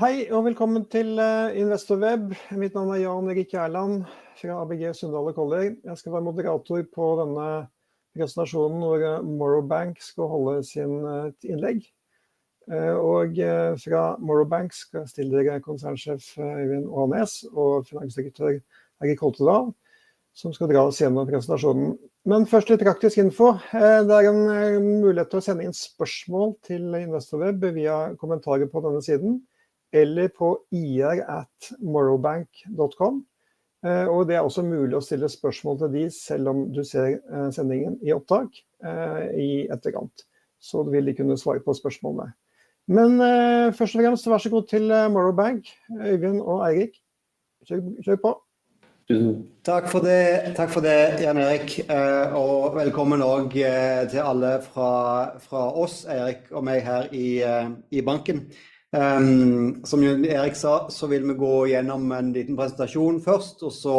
Hei og velkommen til Investor Web. Mitt navn Jan Eirik Erland fra ABG Søndre og Koller. Jeg skal være moderator på denne presentasjonen hvor Morrow Bank skal holde sitt innlegg. Og fra Morrow Bank skal jeg stille dere Konsernsjef Øyvind Oanes og Finansdirektør Eirik Holtedahl, som skal dra oss gjennom presentasjonen. Men først litt praktisk info. Det er en mulighet til å sende inn spørsmål til Investor Web via kommentarer på denne siden, eller på ir@morrowbank.com. Og det er også mulig å stille spørsmål til de, selv om du ser sendingen i opptak i etterkant. Så vil de kunne svare på spørsmålene. Men først og fremst, så vær så snill til Morrow Bank, Øyvind og Eirik. Kjør på. Tusen takk for det, Jan Eirik. Og velkommen også til alle fra oss, Eirik og meg her i banken. Som jo Eirik sa, så vil vi gå gjennom en liten presentasjon først, og så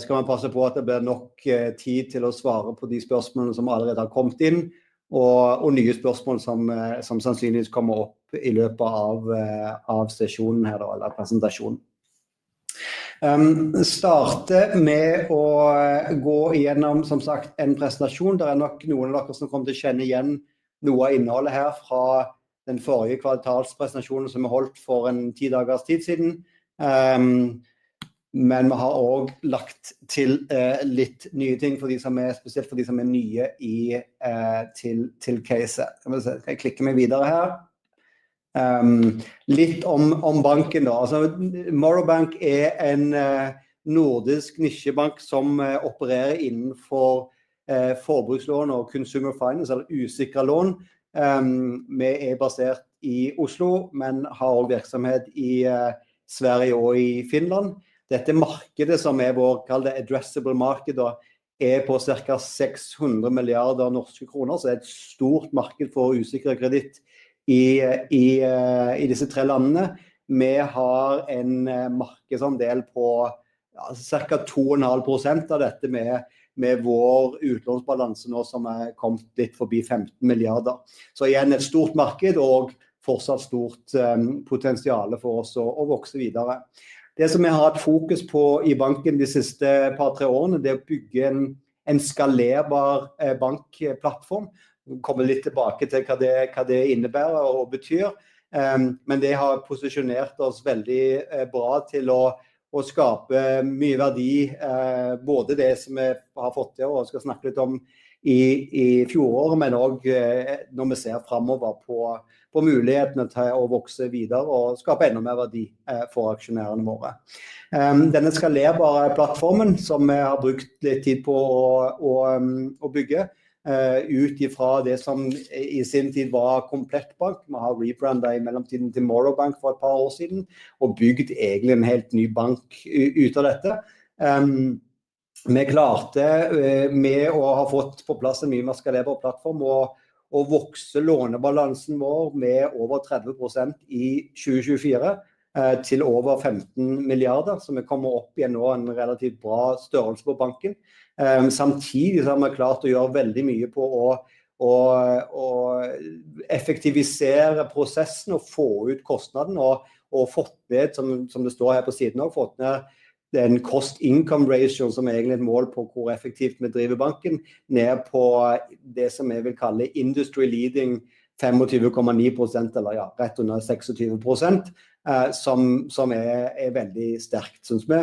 skal vi passe på at det blir nok tid til å svare på de spørsmålene som allerede har kommet inn, og nye spørsmål som sannsynligvis kommer opp i løpet av sesjonen her da, eller presentasjonen. Starter med å gå igjennom, som sagt, en presentasjon. Det er nok noen av dere som kommer til å kjenne igjen noe av innholdet her fra den forrige kvartalspresentasjonen som vi holdt for en 10 dagers tid siden. Men vi har også lagt til litt nye ting for de som spesielt for de som er nye til caset. Skal vi se, jeg klikker meg videre her. Litt om banken da. Altså, Morrow Bank en nordisk nisjebank som opererer innenfor forbrukslån og consumer finance, eller usikre lån. Vi basert i Oslo, men har også virksomhet i Sverige og i Finland. Dette markedet som vår, kall det addressable market da, på cirka 600 milliarder norske kroner, så det et stort marked for usikker kreditt i disse tre landene. Vi har en markedsandel på cirka 2,5% av dette med vår utlånsbalanse nå som kommet litt forbi 15 milliarder. Så igjen, et stort marked og fortsatt stort potensiale for oss å vokse videre. Det som vi har hatt fokus på i banken de siste par tre årene, det å bygge en skalerbar bankplattform. Kommer litt tilbake til hva det innebærer og betyr. Men det har posisjonert oss veldig bra til å skape mye verdi, både det som vi har fått til, og skal snakke litt om i fjoråret, men også når vi ser framover på mulighetene til å vokse videre og skape enda mer verdi for aksjonærene våre. Denne skalerbare plattformen som vi har brukt litt tid på å bygge, ut ifra det som i sin tid var Komplett Bank. Vi har rebrandet i mellomtiden til Morrow Bank for et par år siden, og bygd egentlig en helt ny bank ut av dette. Vi klarte med å ha fått på plass en mye mer skalerbar plattform og å vokse lånebalansen vår med over 30% i 2024, til over NOK 15 milliarder, så vi kommer opp igjen nå en relativt bra størrelse på banken. Samtidig så har vi klart å gjøre veldig mye på å effektivisere prosessen og få ut kostnaden, og fått ned, som det står her på siden også, fått ned den cost income ratio, som egentlig et mål på hvor effektivt vi driver banken, ned på det som vi vil kalle industry leading 25,9%, eller ja, rett under 26%, som er veldig sterkt, synes vi.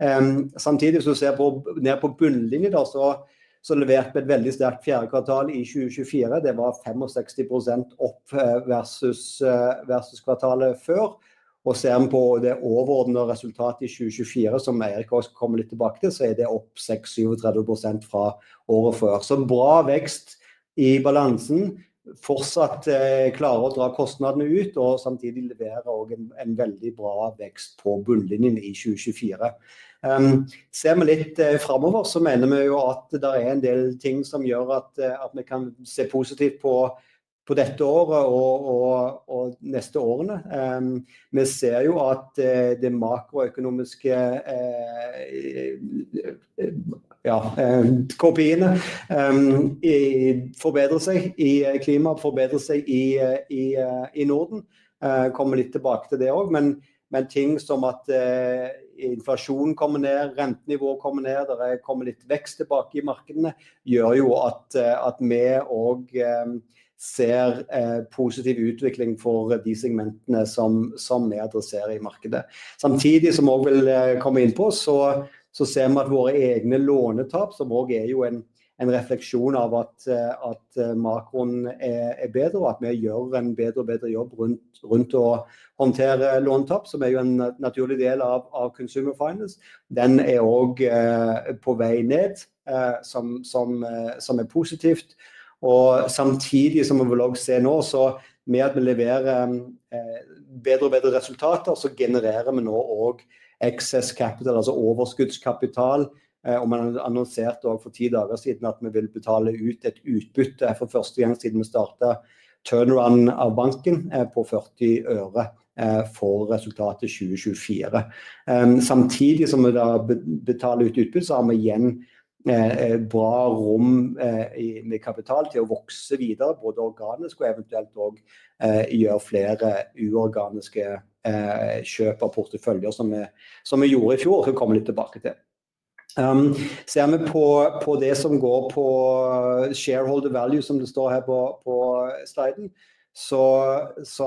Samtidig hvis du ser på ned på bunnlinje da, så leverte vi et veldig sterkt fjerde kvartal i 2024. Det var 65% opp versus kvartalet før, og ser vi på det overordnede resultatet i 2024, som Eirik også kommer litt tilbake til, så det opp 637% fra året før. Så bra vekst i balansen, fortsatt klare å dra kostnadene ut, og samtidig levere også en veldig bra vekst på bunnlinjen i 2024. Ser vi litt framover, så mener vi jo at det er en del ting som gjør at vi kan se positivt på dette året og neste årene. Vi ser jo at det makroøkonomiske, ja, KPI-ene forbedrer seg i klima, forbedrer seg i Norden. Kommer litt tilbake til det også, men ting som at inflasjonen kommer ned, rentenivået kommer ned, det kommer litt vekst tilbake i markedene, gjør jo at vi også ser positiv utvikling for de segmentene som vi adresserer i markedet. Samtidig som vi også vil komme inn på, så ser vi at våre egne lånetap, som også jo en refleksjon av at makroen bedre, og at vi gjør en bedre og bedre jobb rundt å håndtere lånetap, som jo en naturlig del av consumer finance, den også på vei ned, som positivt. Samtidig som vi vil også se nå, så med at vi leverer bedre og bedre resultater, så genererer vi nå også excess capital, altså overskuddskapital. Vi har annonsert også for 10 dager siden at vi vil betale ut et utbytte for første gang siden vi startet turnaround av banken, på 40 øre for resultatet 2024. Samtidig som vi da betaler ut utbytte, så har vi igjen bra rom i med kapital til å vokse videre, både organisk og eventuelt også gjøre flere uorganiske kjøp av porteføljer som vi som vi gjorde i fjor, og skal komme litt tilbake til. Ser vi på det som går på shareholder value, som det står her på sliden, så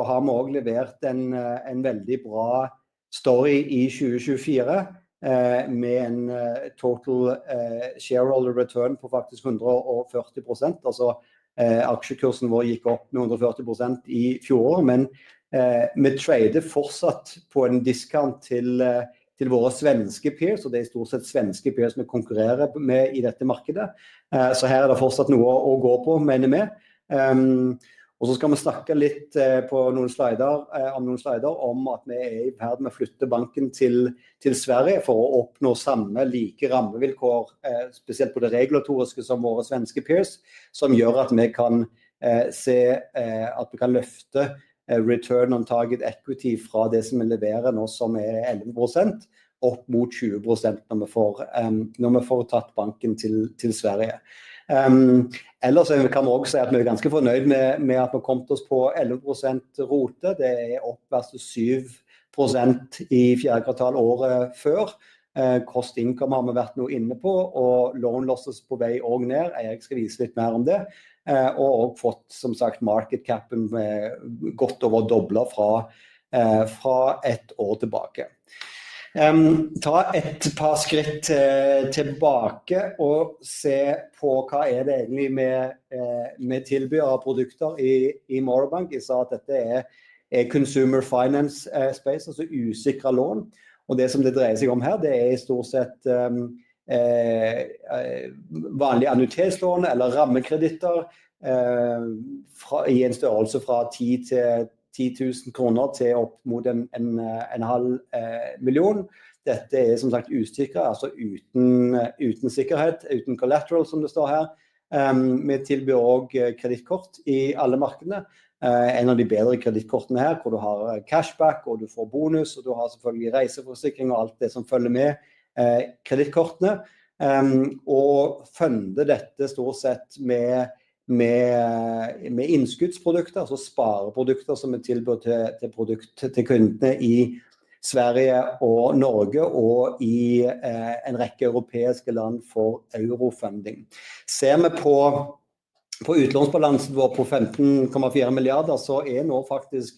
har vi også levert en veldig bra story i 2024, med en total shareholder return på faktisk 140%. Altså, aksjekursen vår gikk opp med 140% i fjoråret, men vi trader fortsatt på en discount til våre svenske peers, og det i stort sett svenske peers vi konkurrerer med i dette markedet. Så her det fortsatt noe å gå på, mener vi. Og så skal vi snakke litt om noen slider, om at vi er i ferd med å flytte banken til Sverige for å oppnå samme rammevilkår, spesielt på det regulatoriske som våre svenske peers, som gjør at vi kan se at vi kan løfte return on target equity fra det som vi leverer nå, som er 11%, opp mot 20% når vi får tatt banken til Sverige. Ellers så kan vi også si at vi er ganske fornøyd med at vi kom oss på 11% ROE. Det er opp versus 7% i fjerde kvartal året før. Cost income har vi vært inne på, og loan losses er på vei ned. Eirik skal vise litt mer om det, og vi har også fått market cap med godt over doblet fra et år tilbake. Ta et par skritt tilbake og se på hva det egentlig vi tilbyr av produkter i Morrow Bank. Jeg sa at dette consumer finance space, altså usikre lån, og det som det dreier seg om her, det i stort sett vanlige annuitetslån eller rammekreditter fra en størrelse fra NOK 10,000 til opp mot en halv million. Dette som sagt usikre, altså uten sikkerhet, uten collateral som det står her. Vi tilbyr også kredittkort i alle markedene, en av de bedre kredittkortene her, hvor du har cashback, og du får bonus, og du har selvfølgelig reiseforsikring og alt det som følger med kredittkortene. Og føder dette stort sett med innskuddsprodukter, altså spareprodukter som vi tilbyr til kundene i Sverige og Norge, og i en rekke europeiske land for eurofunding. Ser vi på utlånsbalansen vår på 15,4 milliarder, så nå faktisk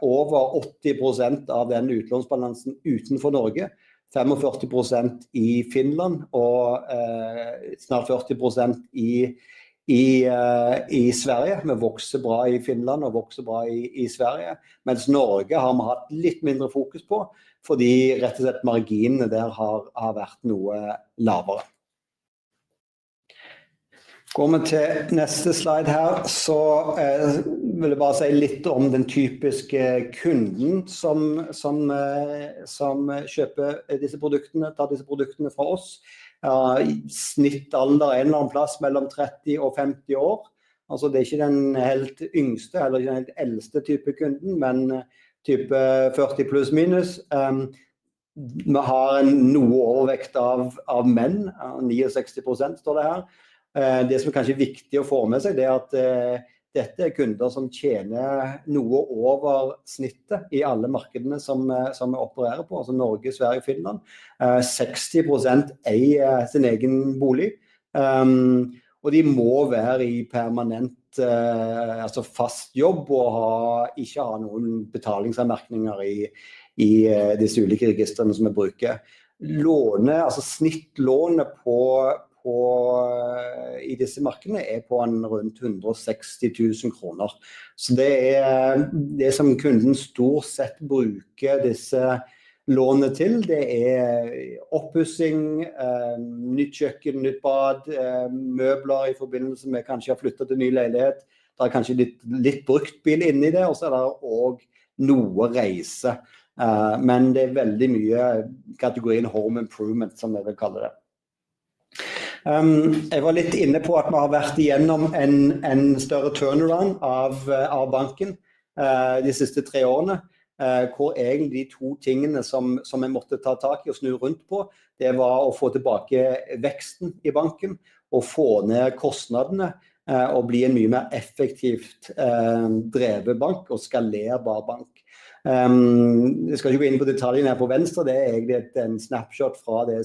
over 80% av den utlånsbalansen utenfor Norge, 45% i Finland og snart 40% i Sverige. Vi vokser bra i Finland og vokser bra i Sverige, mens Norge har vi hatt litt mindre fokus på, fordi rett og slett marginene der har vært noe lavere. Går vi til neste slide her, så vil jeg bare si litt om den typiske kunden som kjøper disse produktene, tar disse produktene fra oss. Snittalder en eller annen plass mellom 30 og 50 år. Altså, det ikke den helt yngste eller ikke den helt eldste type kunden, men type 40 pluss minus. Vi har en noe overvekt av menn, 69% står det her. Det som kanskje er viktig å få med seg, det at dette er kunder som tjener noe over snittet i alle markedene som vi opererer på, altså Norge, Sverige og Finland. 60% eier sin egen bolig. Og de må være i permanent, altså fast jobb og ikke ha noen betalingsanmerkninger i disse ulike registrene som vi bruker. Snittlånet i disse markedene er på rundt 160 000 kroner. Det som kunden stort sett bruker disse lånene til, det er oppussing, nytt kjøkken, nytt bad, møbler i forbindelse med kanskje å flytte til ny leilighet. Det er kanskje litt brukt bil inni det, og så er det også noe reise. Men det er veldig mye kategorien home improvement som vi vil kalle det. Jeg var litt inne på at vi har vært igjennom en større turnaround av banken de siste tre årene, hvor egentlig de to tingene som vi måtte ta tak i og snu rundt på, det var å få tilbake veksten i banken og få ned kostnadene og bli en mye mer effektivt drevet bank og skalerbare bank. Jeg skal ikke gå inn på detaljene her på venstre, det egentlig et snapshot fra det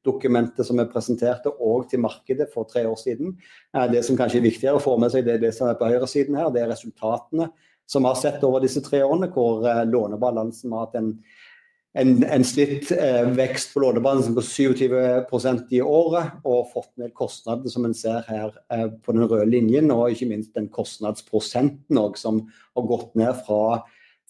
strategidokumentet som vi presenterte også til markedet for tre år siden. Det som kanskje er viktigere å få med seg, det er det som på høyre siden her, det er resultatene som vi har sett over disse tre årene, hvor lånebalansen har hatt en snitt vekst på lånebalansen på 27% i året og fått ned kostnadene som vi ser her på den røde linjen, og ikke minst den kostnadsprosenten også som har gått ned fra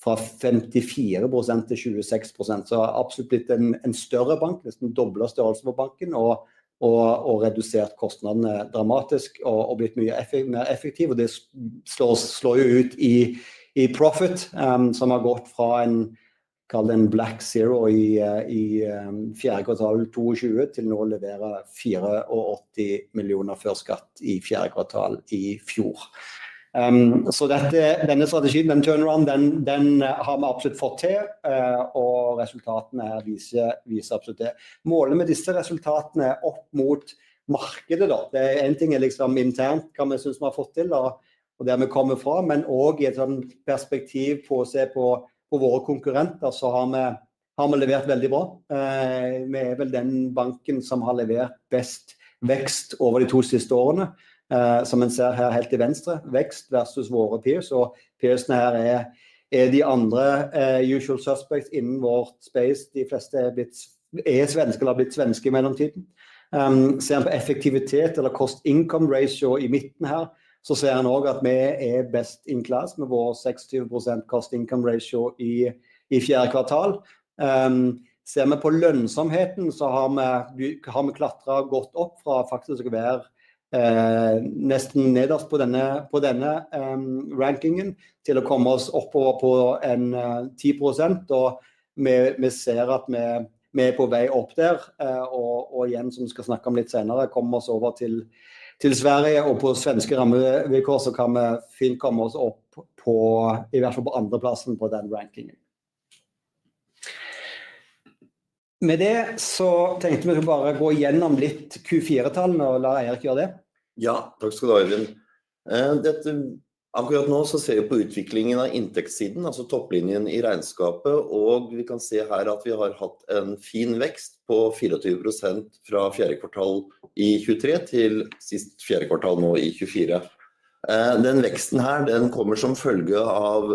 54% til 26%. Så det har absolutt blitt en større bank, nesten doblet størrelsen på banken og redusert kostnadene dramatisk og blitt mye mer effektiv, og det slår jo ut i profit, som har gått fra en, kall det en black zero i fjerde kvartal 2022 til nå å levere 84 millioner før skatt i fjerde kvartal i fjor. Så denne strategien, den turnarounden, den har vi absolutt fått til, og resultatene her viser absolutt det. Målet med disse resultatene opp mot markedet da, det er en ting liksom internt hva vi synes vi har fått til, og der vi kommer fra, men også i et perspektiv på å se på våre konkurrenter, så har vi levert veldig bra. Vi er vel den banken som har levert best vekst over de to siste årene, som man ser her helt til venstre, vekst versus våre peers, og peersene her de andre usual suspects innen vårt space, de fleste har blitt svensker eller har blitt svenske i mellomtiden. Ser vi på effektivitet eller cost income ratio i midten her, så ser vi også at vi er best in class med vår 26% cost income ratio i fjerde kvartal. Hvis vi ser på lønnsomheten, så har vi klatret godt opp fra faktisk å være nesten nederst på denne rankingen til å komme oss oppover på 10%, og vi ser at vi er på vei opp der. Igjen, som vi skal snakke om litt senere, kommer vi oss over til Sverige, og på svenske rammevilkår så kan vi fint komme oss opp på i hvert fall andreplassen på den rankingen. Med det så tenkte vi å bare gå gjennom litt Q4-tallene, og la Eirik gjøre det. Ja, takk skal du ha, Øyvind. Akkurat nå så ser vi på utviklingen av inntektssiden, altså topplinjen i regnskapet, og vi kan se her at vi har hatt en fin vekst på 24% fra fjerde kvartal i 2023 til sist fjerde kvartal nå i 2024. Den veksten her, den kommer som følge av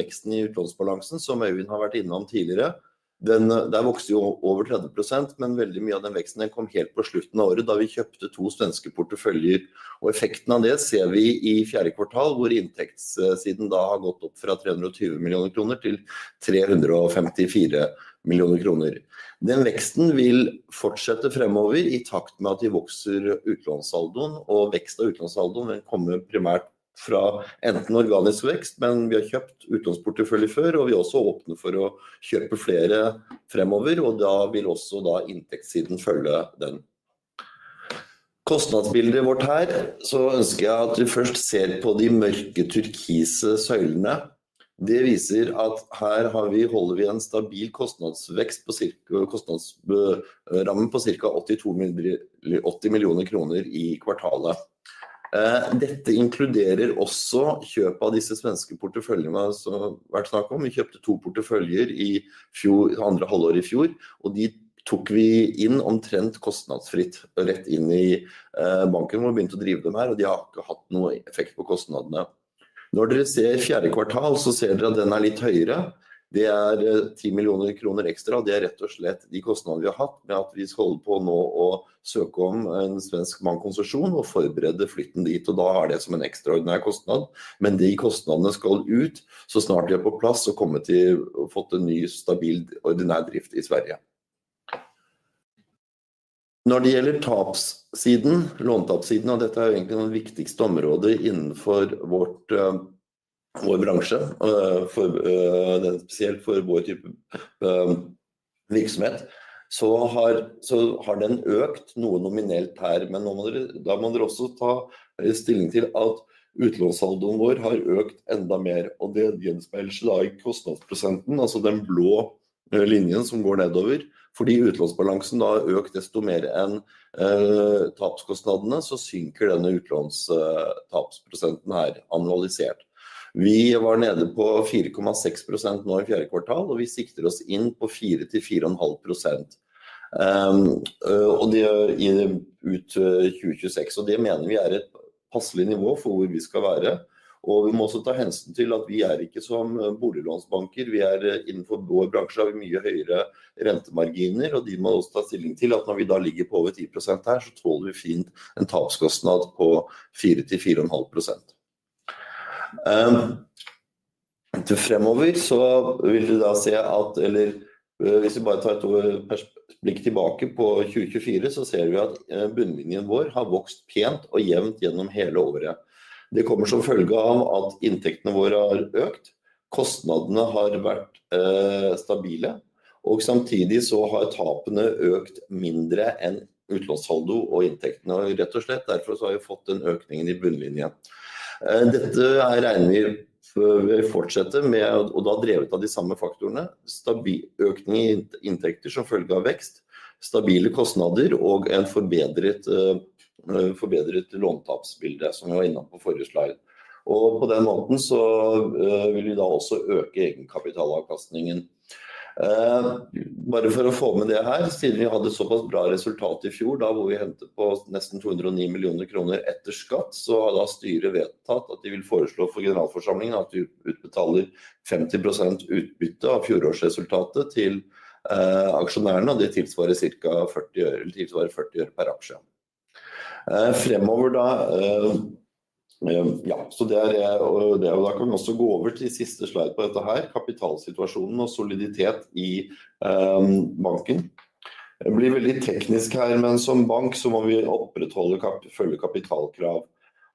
veksten i utlånsbalansen, som Øyvind har vært innom tidligere. Den der vokste jo over 30%, men veldig mye av den veksten, den kom helt på slutten av året, da vi kjøpte to svenske porteføljer, og effekten av det ser vi i fjerde kvartal, hvor inntektssiden da har gått opp fra NOK 320 millioner til NOK 354 millioner. Den veksten vil fortsette fremover i takt med at vi vokser utlånssaldoen, og vekst av utlånssaldoen, den kommer primært fra enten organisk vekst, men vi har kjøpt utlånsportefølje før, og vi er også åpne for å kjøpe flere fremover, og da vil også inntektssiden følge den. Kostnadsbildet vårt her, så ønsker jeg at vi først ser på de mørke turkise søylene. Det viser at her holder vi en stabil kostnadsvekst på cirka kostnadsrammen på cirka NOK 82 millioner i kvartalet. Dette inkluderer også kjøp av disse svenske porteføljene som det har vært snakk om. Vi kjøpte to porteføljer i andre halvår i fjor, og de tok vi inn omtrent kostnadsfritt rett inn i banken, hvor vi begynte å drive dem her, og de har ikke hatt noen effekt på kostnadene. Når dere ser fjerde kvartal, så ser dere at den er litt høyere. Det er NOK 10 millioner ekstra, det er rett og slett de kostnadene vi har hatt med at vi holder på nå å søke om en svensk bankkonsesjon og forberede flytten dit, og da er det som en ekstraordinær kostnad, men de kostnadene skal ut så snart vi er på plass og har kommet til å få en ny stabil ordinær drift i Sverige. Når det gjelder tapssiden, låntapssiden, og dette er jo egentlig det viktigste området innenfor vår bransje, spesielt for vår type virksomhet, så har den økt noe nominelt her. Men nå må dere ta stilling til at utlånssaldoen vår har økt enda mer, og det gjenspeiler seg i kostnadsprosenten, altså den blå linjen som går nedover. Fordi utlånsbalansen har økt desto mer enn tapskostnadene, synker denne utlånstapsprosenten her annualisert. Vi var nede på 4,6% nå i fjerde kvartal, og vi sikter oss inn på 4% til 4,5%, og det ut 2026, og det mener vi er et passelig nivå for hvor vi skal være, og vi må også ta hensyn til at vi ikke som boliglånsbanker, vi innenfor vår bransje har vi mye høyere rentemarginer, og de må også ta stilling til at når vi da ligger på over 10% her, så tåler vi fint en tapskostnad på 4% til 4,5%. Fremover så vil du da se at, eller hvis vi bare tar et blikk tilbake på 2024, så ser vi at bunnlinjen vår har vokst pent og jevnt gjennom hele året. Det kommer som følge av at inntektene våre har økt, kostnadene har vært stabile, og samtidig så har tapene økt mindre enn utlånssaldo og inntektene, og rett og slett derfor så har vi fått den økningen i bunnlinjen. Dette regner vi for vi fortsetter med, og da drevet av de samme faktorene, stabil økning i inntekter som følge av vekst, stabile kostnader og en forbedret låntapsbilde som vi var innom på forrige slide. På den måten så vil vi da også øke egenkapitalavkastningen. Bare for å få med det her, siden vi hadde såpass bra resultat i fjor, da hvor vi hentet på nesten NOK 209 millioner etter skatt, så har da styret vedtatt at de vil foreslå for generalforsamlingen at vi utbetaler 50% utbytte av fjorårsresultatet til aksjonærene, og det tilsvarer cirka 40 øre per aksje. Fremover da, ja, så det, og det jo da kan vi også gå over til siste slide på dette her, kapitalsituasjonen og soliditet i banken. Jeg blir veldig teknisk her, men som bank så må vi opprettholde følge kapitalkrav,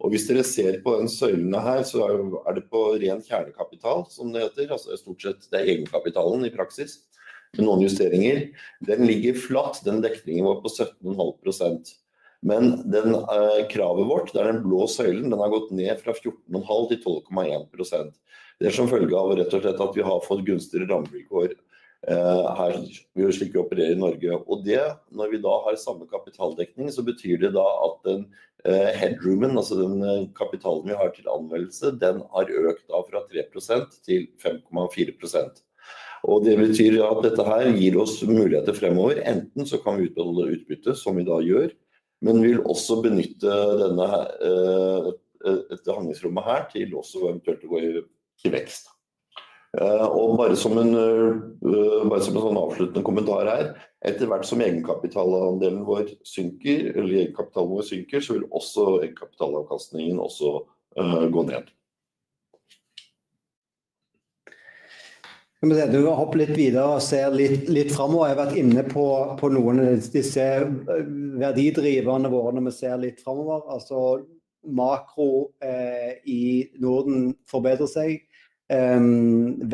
og hvis dere ser på den søylen her, så det på ren kjernekapital som det heter, altså det stort sett egenkapitalen i praksis, med noen justeringer. Den ligger flatt, den dekningen vår på 17,5%, men kravet vårt, den blå søylen, den har gått ned fra 14,5% til 12,1%. Det som følge av rett og slett at vi har fått gunstigere rammevilkår her, slik vi opererer i Norge, og når vi da har samme kapitaldekning, så betyr det da at headroomen, altså den kapitalen vi har til anvendelse, den har økt da fra 3% til 5,4%. Og det betyr at dette her gir oss muligheter fremover, enten så kan vi utbetale utbytte som vi da gjør, men vi vil også benytte dette handlingsrommet her til også eventuelt å gå inn til vekst. Bare som en avsluttende kommentar her, etter hvert som egenkapitalandelen vår synker, eller egenkapitalen vår synker, så vil også egenkapitalavkastningen også gå ned. Når vi ser litt videre og ser litt fremover, jeg har vært inne på noen av disse verdidriverne våre når vi ser litt fremover, altså makro i Norden forbedrer seg,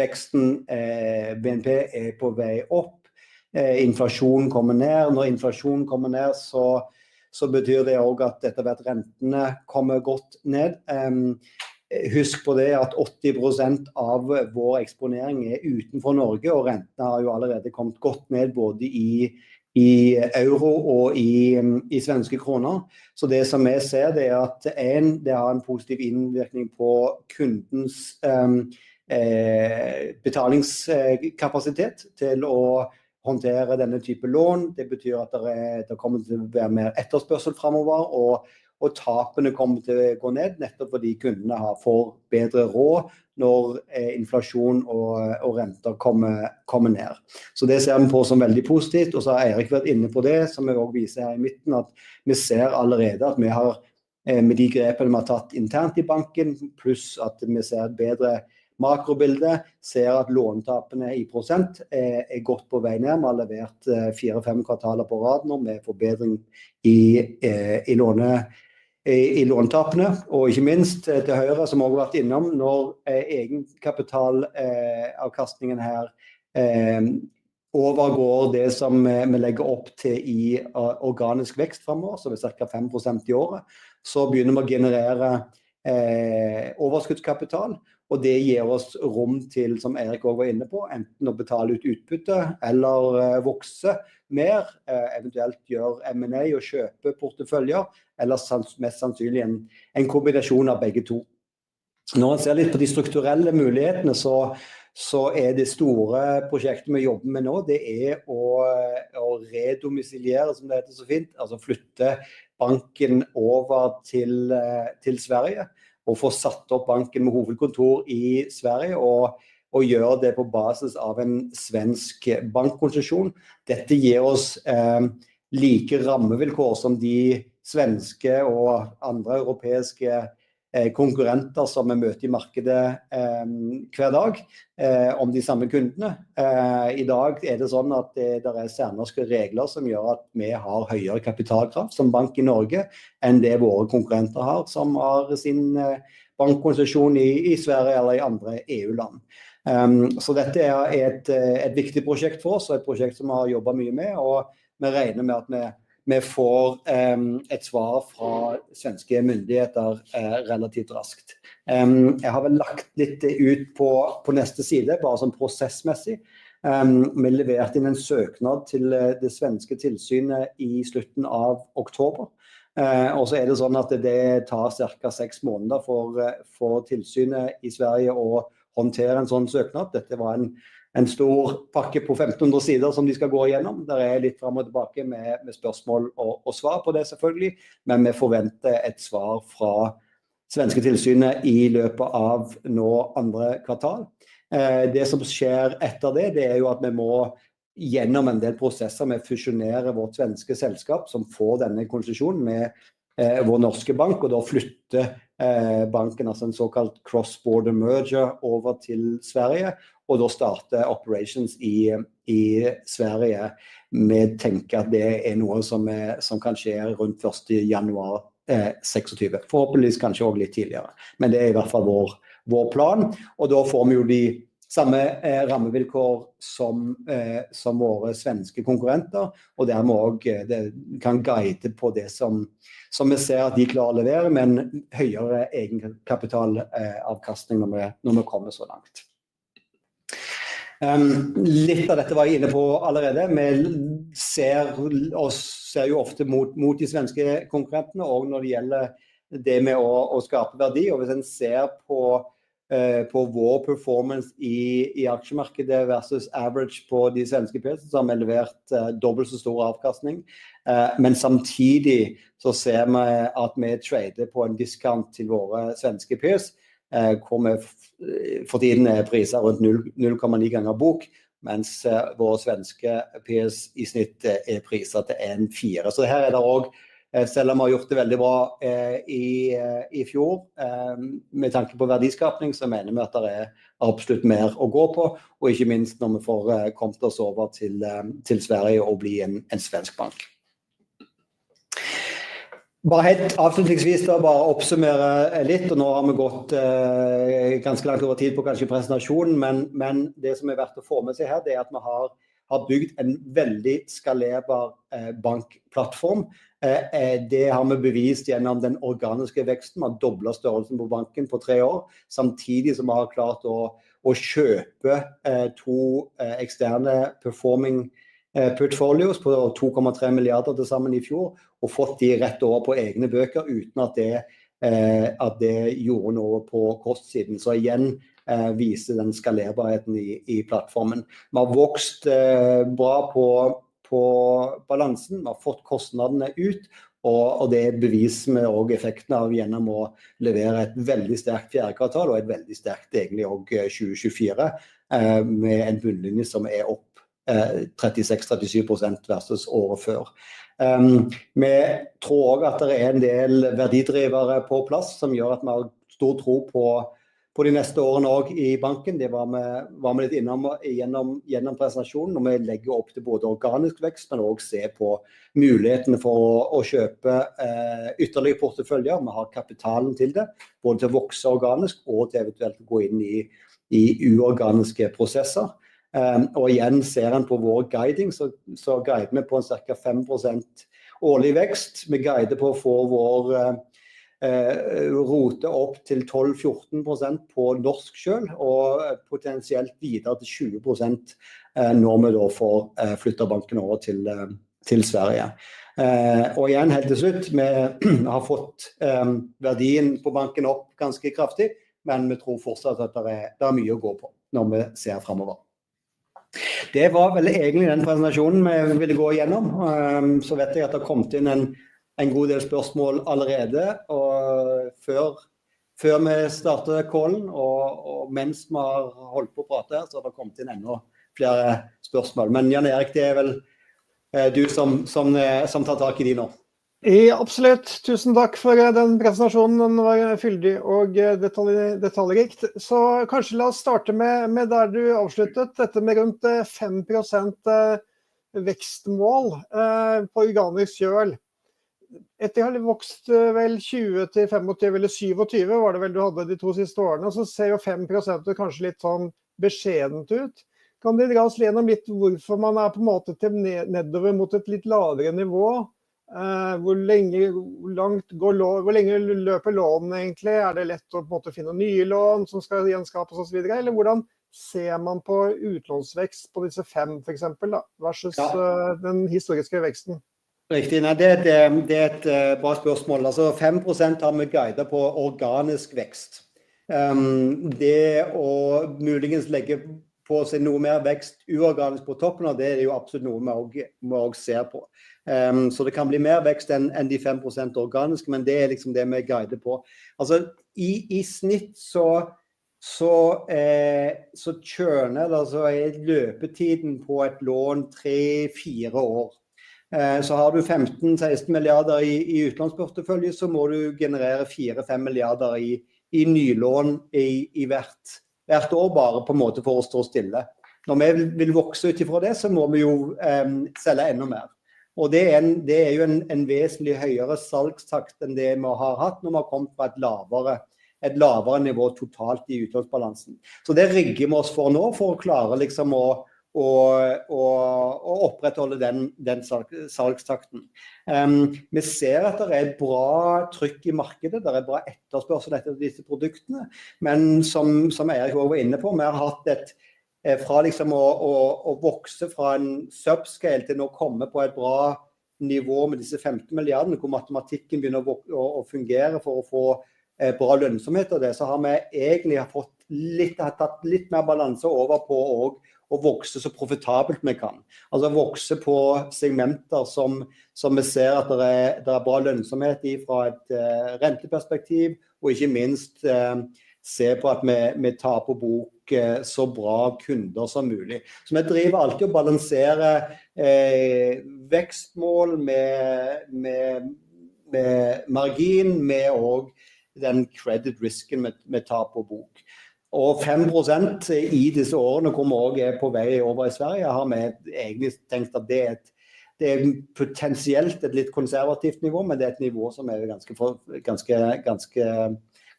veksten BNP på vei opp, inflasjonen kommer ned, når inflasjonen kommer ned, så betyr det også at etter hvert rentene kommer godt ned. Husk på det at 80% av vår eksponering utenfor Norge, og rentene har jo allerede kommet godt ned både i euro og i svenske kroner, så det som jeg ser, det at det har en positiv innvirkning på kundens betalingskapasitet til å håndtere denne type lån, det betyr at det kommer til å være mer etterspørsel fremover, og tapene kommer til å gå ned nettopp fordi kundene får bedre råd når inflasjon og renter kommer ned. Det ser vi på som veldig positivt, og Eirik har vært inne på det, som jeg også viser her i midten, at vi ser allerede at vi har med de grepene vi har tatt internt i banken, pluss at vi ser et bedre makrobilde, ser at lånetapene i prosent godt på vei ned. Vi har levert 4-5 kvartaler på rad nå med forbedring i lånetapene, og ikke minst til høyre, som jeg også har vært innom, når egenkapitalavkastningen her overgår det som vi legger opp til i organisk vekst fremover, cirka 5% i året, begynner vi å generere overskuddskapital, og det gir oss rom til, som Eirik også var inne på, enten å betale ut utbytte eller vokse mer, eventuelt gjøre M&A og kjøpe porteføljer, eller mest sannsynlig en kombinasjon av begge to. Når man ser litt på de strukturelle mulighetene, så det store prosjektet vi jobber med nå, det å redomiciliere, som det heter så fint, altså flytte banken over til Sverige, og få satt opp banken med hovedkontor i Sverige, og gjøre det på basis av en svensk bankkonstruksjon. Dette gir oss like rammevilkår som de svenske og andre europeiske konkurrenter som vi møter i markedet hver dag, om de samme kundene. I dag er det sånn at det er særnorske regler som gjør at vi har høyere kapitalkrav som bank i Norge enn det våre konkurrenter har, som har sin bankkonstruksjon i Sverige eller i andre EU-land. Dette er et viktig prosjekt for oss, og et prosjekt som vi har jobbet mye med, og vi regner med at vi får et svar fra svenske myndigheter relativt raskt. Jeg har vel lagt litt det ut på neste side, bare sånn prosessmessig. Vi leverte inn en søknad til det svenske tilsynet i slutten av oktober, og så det sånn at det tar cirka seks måneder for tilsynet i Sverige å håndtere en sånn søknad. Dette var en stor pakke på 1500 sider som de skal gå gjennom. Det litt fram og tilbake med spørsmål og svar på det selvfølgelig, men vi forventer et svar fra svenske tilsynet i løpet av nå andre kvartal. Det som skjer etter det, det jo at vi må gjennom en del prosesser med å fusjonere vårt svenske selskap som får denne konsesjonen med vår norske bank, og da flytte banken, altså en såkalt cross-border merger over til Sverige, og da starte operations i Sverige. Vi tenker at det noe som kan skje rundt første kvartal. Januar 26, forhåpentligvis kanskje også litt tidligere, men det i hvert fall vår plan, og da får vi jo de samme rammevilkårene som våre svenske konkurrenter, og dermed også det kan guide på det som vi ser at de klarer å levere, men høyere egenkapitalavkastning når vi kommer så langt. Litt av dette var jeg inne på allerede, vi ser oss ofte mot de svenske konkurrentene, og når det gjelder det med å skape verdi, og hvis en ser på vår performance i aksjemarkedet versus average på de svenske pieces, så har vi levert dobbelt så stor avkastning, men samtidig så ser vi at vi trader på en discount til våre svenske pieces, hvor vi for tiden priset rundt 0,9 ganger bok, mens våre svenske pieces i snitt priset til 1,4. Så her det også, selv om vi har gjort det veldig bra i fjor, med tanke på verdiskapning, så mener vi at det absolutt mer å gå på, og ikke minst når vi får kommet oss over til Sverige og bli en svensk bank. Bare helt avslutningsvis da bare oppsummere litt, og nå har vi gått ganske langt over tid på kanskje presentasjonen, men det som verdt å få med seg her, det at vi har bygd en veldig skalerbar bankplattform. Det har vi bevist gjennom den organiske veksten, vi har doblet størrelsen på banken på tre år, samtidig som vi har klart å kjøpe to eksterne performing portfolios på 2,3 milliarder til sammen i fjor, og fått de rett over på egne bøker uten at det gjorde noe på kostsiden, så igjen viste den skalerbarheten i plattformen. Vi har vokst bra på balansen, vi har fått kostnadene ut, og det bevist med også effekten av gjennom å levere et veldig sterkt fjerde kvartal og et veldig sterkt egentlig også 2024, med en bunnlinje som opp 36-37% versus året før. Vi tror også at det en del verdidrivere på plass som gjør at vi har stor tro på de neste årene også i banken, det var vi litt innom gjennom presentasjonen, og vi legger opp til både organisk vekst, men også ser på mulighetene for å kjøpe ytterligere porteføljer. Vi har kapitalen til det, både til å vokse organisk og til eventuelt å gå inn i uorganiske prosesser. Og igjen ser en på vår guiding, så guider vi på en cirka 5% årlig vekst. Vi guider på å få vår ROTE opp til 12-14% på norsk selv, og potensielt videre til 20% når vi da får flyttet banken over til Sverige. Igjen helt til slutt, vi har fått verdien på banken opp ganske kraftig, men vi tror fortsatt at det er mye å gå på når vi ser fremover. Det var egentlig den presentasjonen vi ville gå gjennom, så vet jeg at det har kommet inn en god del spørsmål allerede, før vi startet callen, og mens vi har holdt på å prate her, så har det kommet inn enda flere spørsmål. Men Jan Erik, det er vel du som tar tak i de nå. Ja, absolutt, tusen takk for den presentasjonen, den var fyldig og detaljrik. Så kanskje la oss starte med der du avsluttet, dette med rundt 5% vekstmål på organisk kjøl. Etter at vi har vokst vel 20% til 25% eller 27%, var det vel du hadde de to siste årene, så ser jo 5% kanskje litt sånn beskjedent ut. Kan du dra oss gjennom litt hvorfor man på en måte til nedover mot et litt lavere nivå? Hvor lenge går lånene egentlig? Er det lett å på en måte finne nye lån som skal gjenskapes og så videre? Eller hvordan ser man på utlånsvekst på disse fem for eksempel da, versus den historiske veksten? Riktig, nei, det er et bra spørsmål. Altså, 5% har vi guidet på organisk vekst. Det å muligens legge på seg noe mer vekst uorganisk på toppen av det, det er jo absolutt noe vi også ser på. Så det kan bli mer vekst enn de 5% organisk, men det er det vi guider på. I snitt så kjører det i løpetiden på et lån 3-4 år. Så har du NOK 15-16 milliarder i utlånsportefølje, så må du generere NOK 4-5 milliarder i nylån i hvert år, bare for å stå stille. Når vi vil vokse ut ifra det, så må vi jo selge enda mer. Det er jo en vesentlig høyere salgstakt enn det vi har hatt når vi har kommet på et lavere nivå totalt i utlånsbalansen. Så det rigger vi oss for nå, for å klare å opprettholde den salgstakten. Vi ser at det er bra trykk i markedet, det er bra etterspørsel etter disse produktene, men som Eirik også var inne på, vi har hatt det fra å vokse fra en subscale til å komme på et bra nivå med disse 15 milliardene, hvor matematikken begynner å fungere for å få bra lønnsomhet av det, så har vi egentlig fått litt mer balanse over på å vokse så profitabelt vi kan. Altså, vokse på segmenter som vi ser at det er bra lønnsomhet i fra et renteperspektiv, og ikke minst se på at vi tar på bok så bra kunder som mulig. Så vi driver alltid å balansere vekstmål med margin, med også den credit risken vi tar på bok. Og 5% i disse årene kommer også på vei over i Sverige, har vi egentlig tenkt at det er det potensielt et litt konservativt nivå, men det er nivå som vi er ganske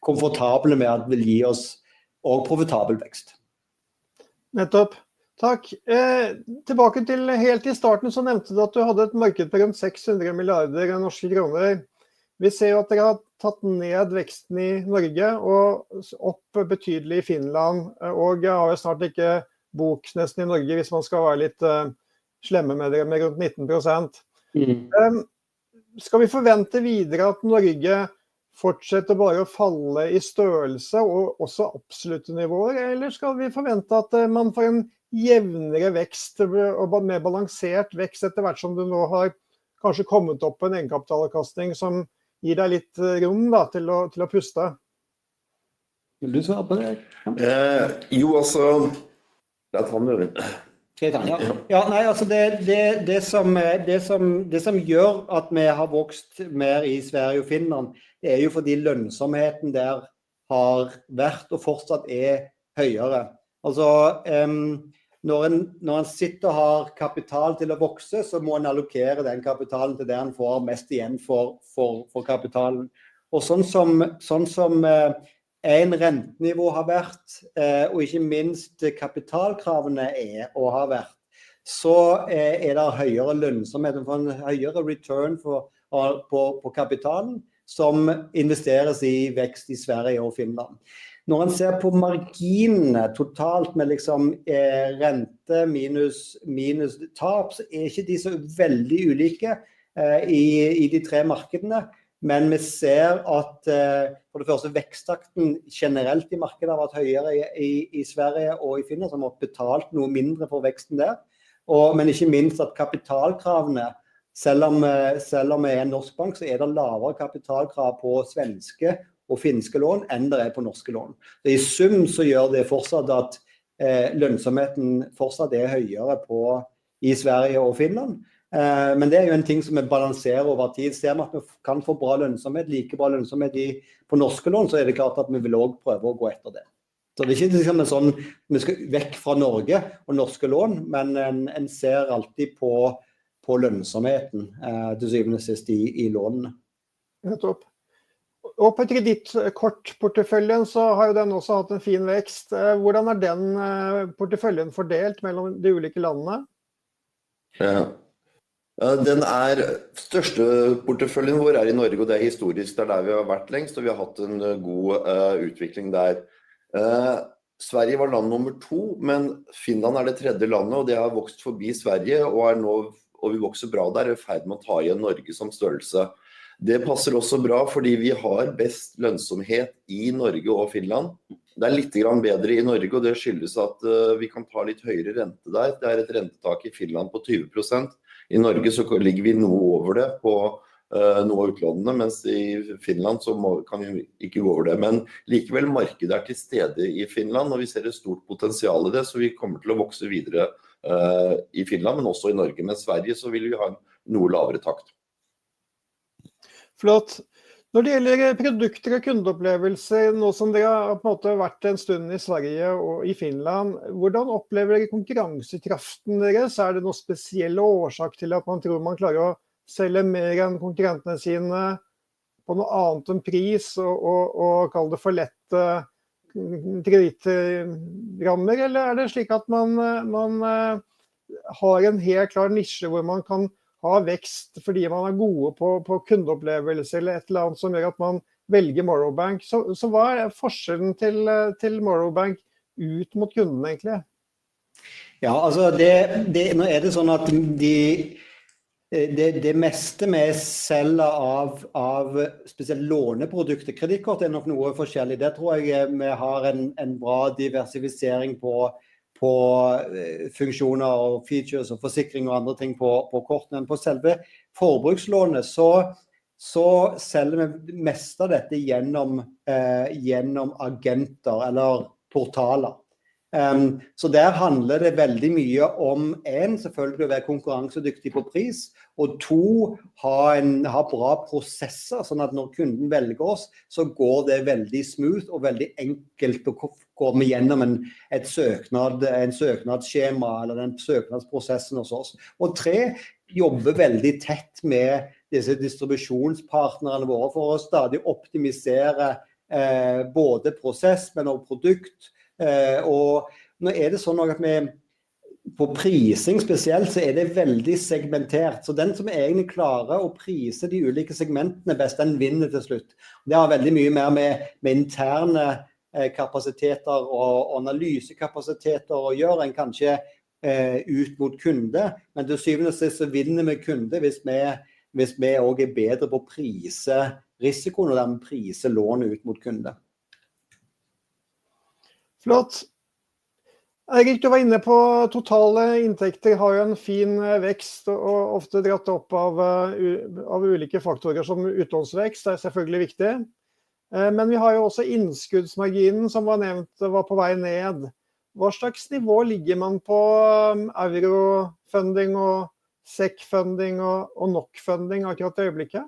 komfortable med at det vil gi oss også profitabel vekst. Nettopp, takk. Tilbake til helt i starten så nevnte du at du hadde et marked på rundt 600 milliarder norske kroner. Vi ser jo at dere har tatt ned veksten i Norge, og opp betydelig i Finland, og jeg har jo snart ikke bok nesten i Norge hvis man skal være litt slemme med dere med rundt 19%. Skal vi forvente videre at Norge fortsetter bare å falle i størrelse og også absolutte nivåer, eller skal vi forvente at man får en jevnere vekst og mer balansert vekst etter hvert som du nå har kanskje kommet opp på en egenkapitalavkastning som gir deg litt rom da til å puste? Vil du svare på det? Jo, altså. La Tom gjøre det. Skal jeg ta den? Ja, ja, nei, altså det som gjør at vi har vokst mer i Sverige og Finland, det er jo fordi lønnsomheten der har vært og fortsatt er høyere. Altså, når en sitter og har kapital til å vokse, så må en allokere den kapitalen til det en får mest igjen for kapitalen. Og sånn som rentenivået har vært, og ikke minst kapitalkravene har vært, så det høyere lønnsomhet og høyere return på kapitalen som investeres i vekst i Sverige og Finland. Når en ser på marginene totalt med rente minus tap, så er de ikke så veldig ulike i de tre markedene, men vi ser at for det første veksttakten generelt i markedet har vært høyere i Sverige og i Finland, så vi har betalt noe mindre for veksten der. Og ikke minst at kapitalkravene, selv om vi er en norsk bank, så er det lavere kapitalkrav på svenske og finske lån enn på norske lån. Så i sum så gjør det fortsatt at lønnsomheten er fortsatt høyere i Sverige og Finland, men det er jo en ting som vi balanserer over tid. Ser vi at vi kan få bra lønnsomhet, like bra lønnsomhet på norske lån, så det klart at vi vil også prøve å gå etter det. Så det ikke en sånn vi skal vekk fra Norge og norske lån, men en ser alltid på lønnsomheten til syvende og sist i lånene. Nettopp. Og på kredittkortporteføljen så har jo den også hatt en fin vekst. Hvordan den porteføljen fordelt mellom de ulike landene? Ja, den største porteføljen vår i Norge, og det historisk, det der vi har vært lengst, og vi har hatt en god utvikling der. Sverige var land nummer to, men Finland det tredje landet, og det har vokst forbi Sverige, og nå vokser vi bra der, og i ferd med å ta igjen Norge som størrelse. Det passer også bra fordi vi har best lønnsomhet i Norge og Finland. Det litt bedre i Norge, og det skyldes at vi kan ta litt høyere rente der. Det er rentetak i Finland på 20%. I Norge så ligger vi noe over det på noen av utlånene, mens i Finland så kan vi ikke gå over det. Men likevel, markedet til stede i Finland, og vi ser et stort potensial i det, så vi kommer til å vokse videre i Finland, men også i Norge. Men Sverige så vil vi ha en noe lavere takt. Flott. Når det gjelder produkter og kundeopplevelse, nå som dere har på en måte vært en stund i Sverige og i Finland, hvordan opplever dere konkurransekraften deres? Det noen spesielle årsaker til at man tror man klarer å selge mer enn konkurrentene sine på noe annet enn pris, og kalle det for lette kredittrammer, eller det slik at man har en helt klar nisje hvor man kan ha vekst fordi man gode på kundeopplevelse, eller et eller annet som gjør at man velger Morrow Bank? Så hva forskjellen til Morrow Bank ut mot kundene egentlig? Ja, altså det det sånn at det det meste vi selger av spesielt låneprodukter, kredittkort, nok noe forskjellig. Det tror jeg vi har en bra diversifisering på funksjoner og features og forsikring og andre ting på kort, men på selve forbrukslånet så selger vi meste av dette gjennom agenter eller portaler. Så der handler det veldig mye om, en, selvfølgelig å være konkurransedyktig på pris, og to, ha bra prosesser, sånn at når kunden velger oss, så går det veldig smooth og veldig enkelt, og går vi gjennom et søknadsskjema eller den søknadsprosessen hos oss. Og tre, jobbe veldig tett med disse distribusjonspartnerne våre for å stadig optimisere både prosess, men også produkt. Og nå det sånn at vi på prising spesielt, så det veldig segmentert, så den som egentlig klarer å prise de ulike segmentene best, den vinner til slutt. Det har veldig mye mer med interne kapasiteter og analysekapasiteter å gjøre enn kanskje ut mot kunde, men til syvende og sist så vinner vi kunde hvis vi er bedre på å prise risikoen og prise lånet ut mot kunde. Flott. Eirik, du var inne på totale inntekter, har jo en fin vekst og ofte dratt opp av ulike faktorer som utlånsvekst, det selvfølgelig viktig. Men vi har jo også innskuddsmarginen som var nevnt var på vei ned. Hva slags nivå ligger man på Euro Funding og Sec Funding og NOK Funding akkurat i øyeblikket?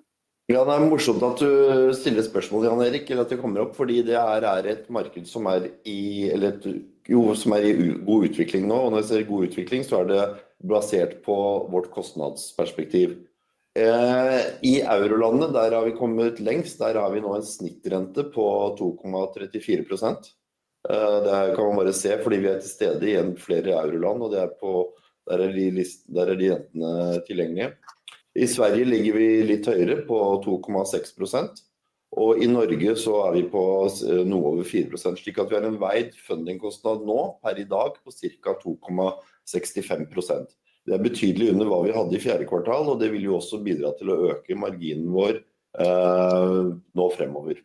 Ja, det morsomt at du stiller spørsmål, Jan Erik, eller at det kommer opp, fordi det et marked som i, eller et jo, som i god utvikling nå, og når jeg sier god utvikling, så det basert på vårt kostnadsperspektiv. I eurolandene der har vi kommet lengst, der har vi nå en snitt rente på 2,34%. Det kan man bare se fordi vi til stede i flere euroland, og det på der de rentene tilgjengelige. I Sverige ligger vi litt høyere på 2,6%, og i Norge så vi på noe over 4%, slik at vi har en veid fundingkostnad nå per i dag på cirka 2,65%. Det er betydelig under hva vi hadde i fjerde kvartal, og det vil jo også bidra til å øke marginen vår nå fremover.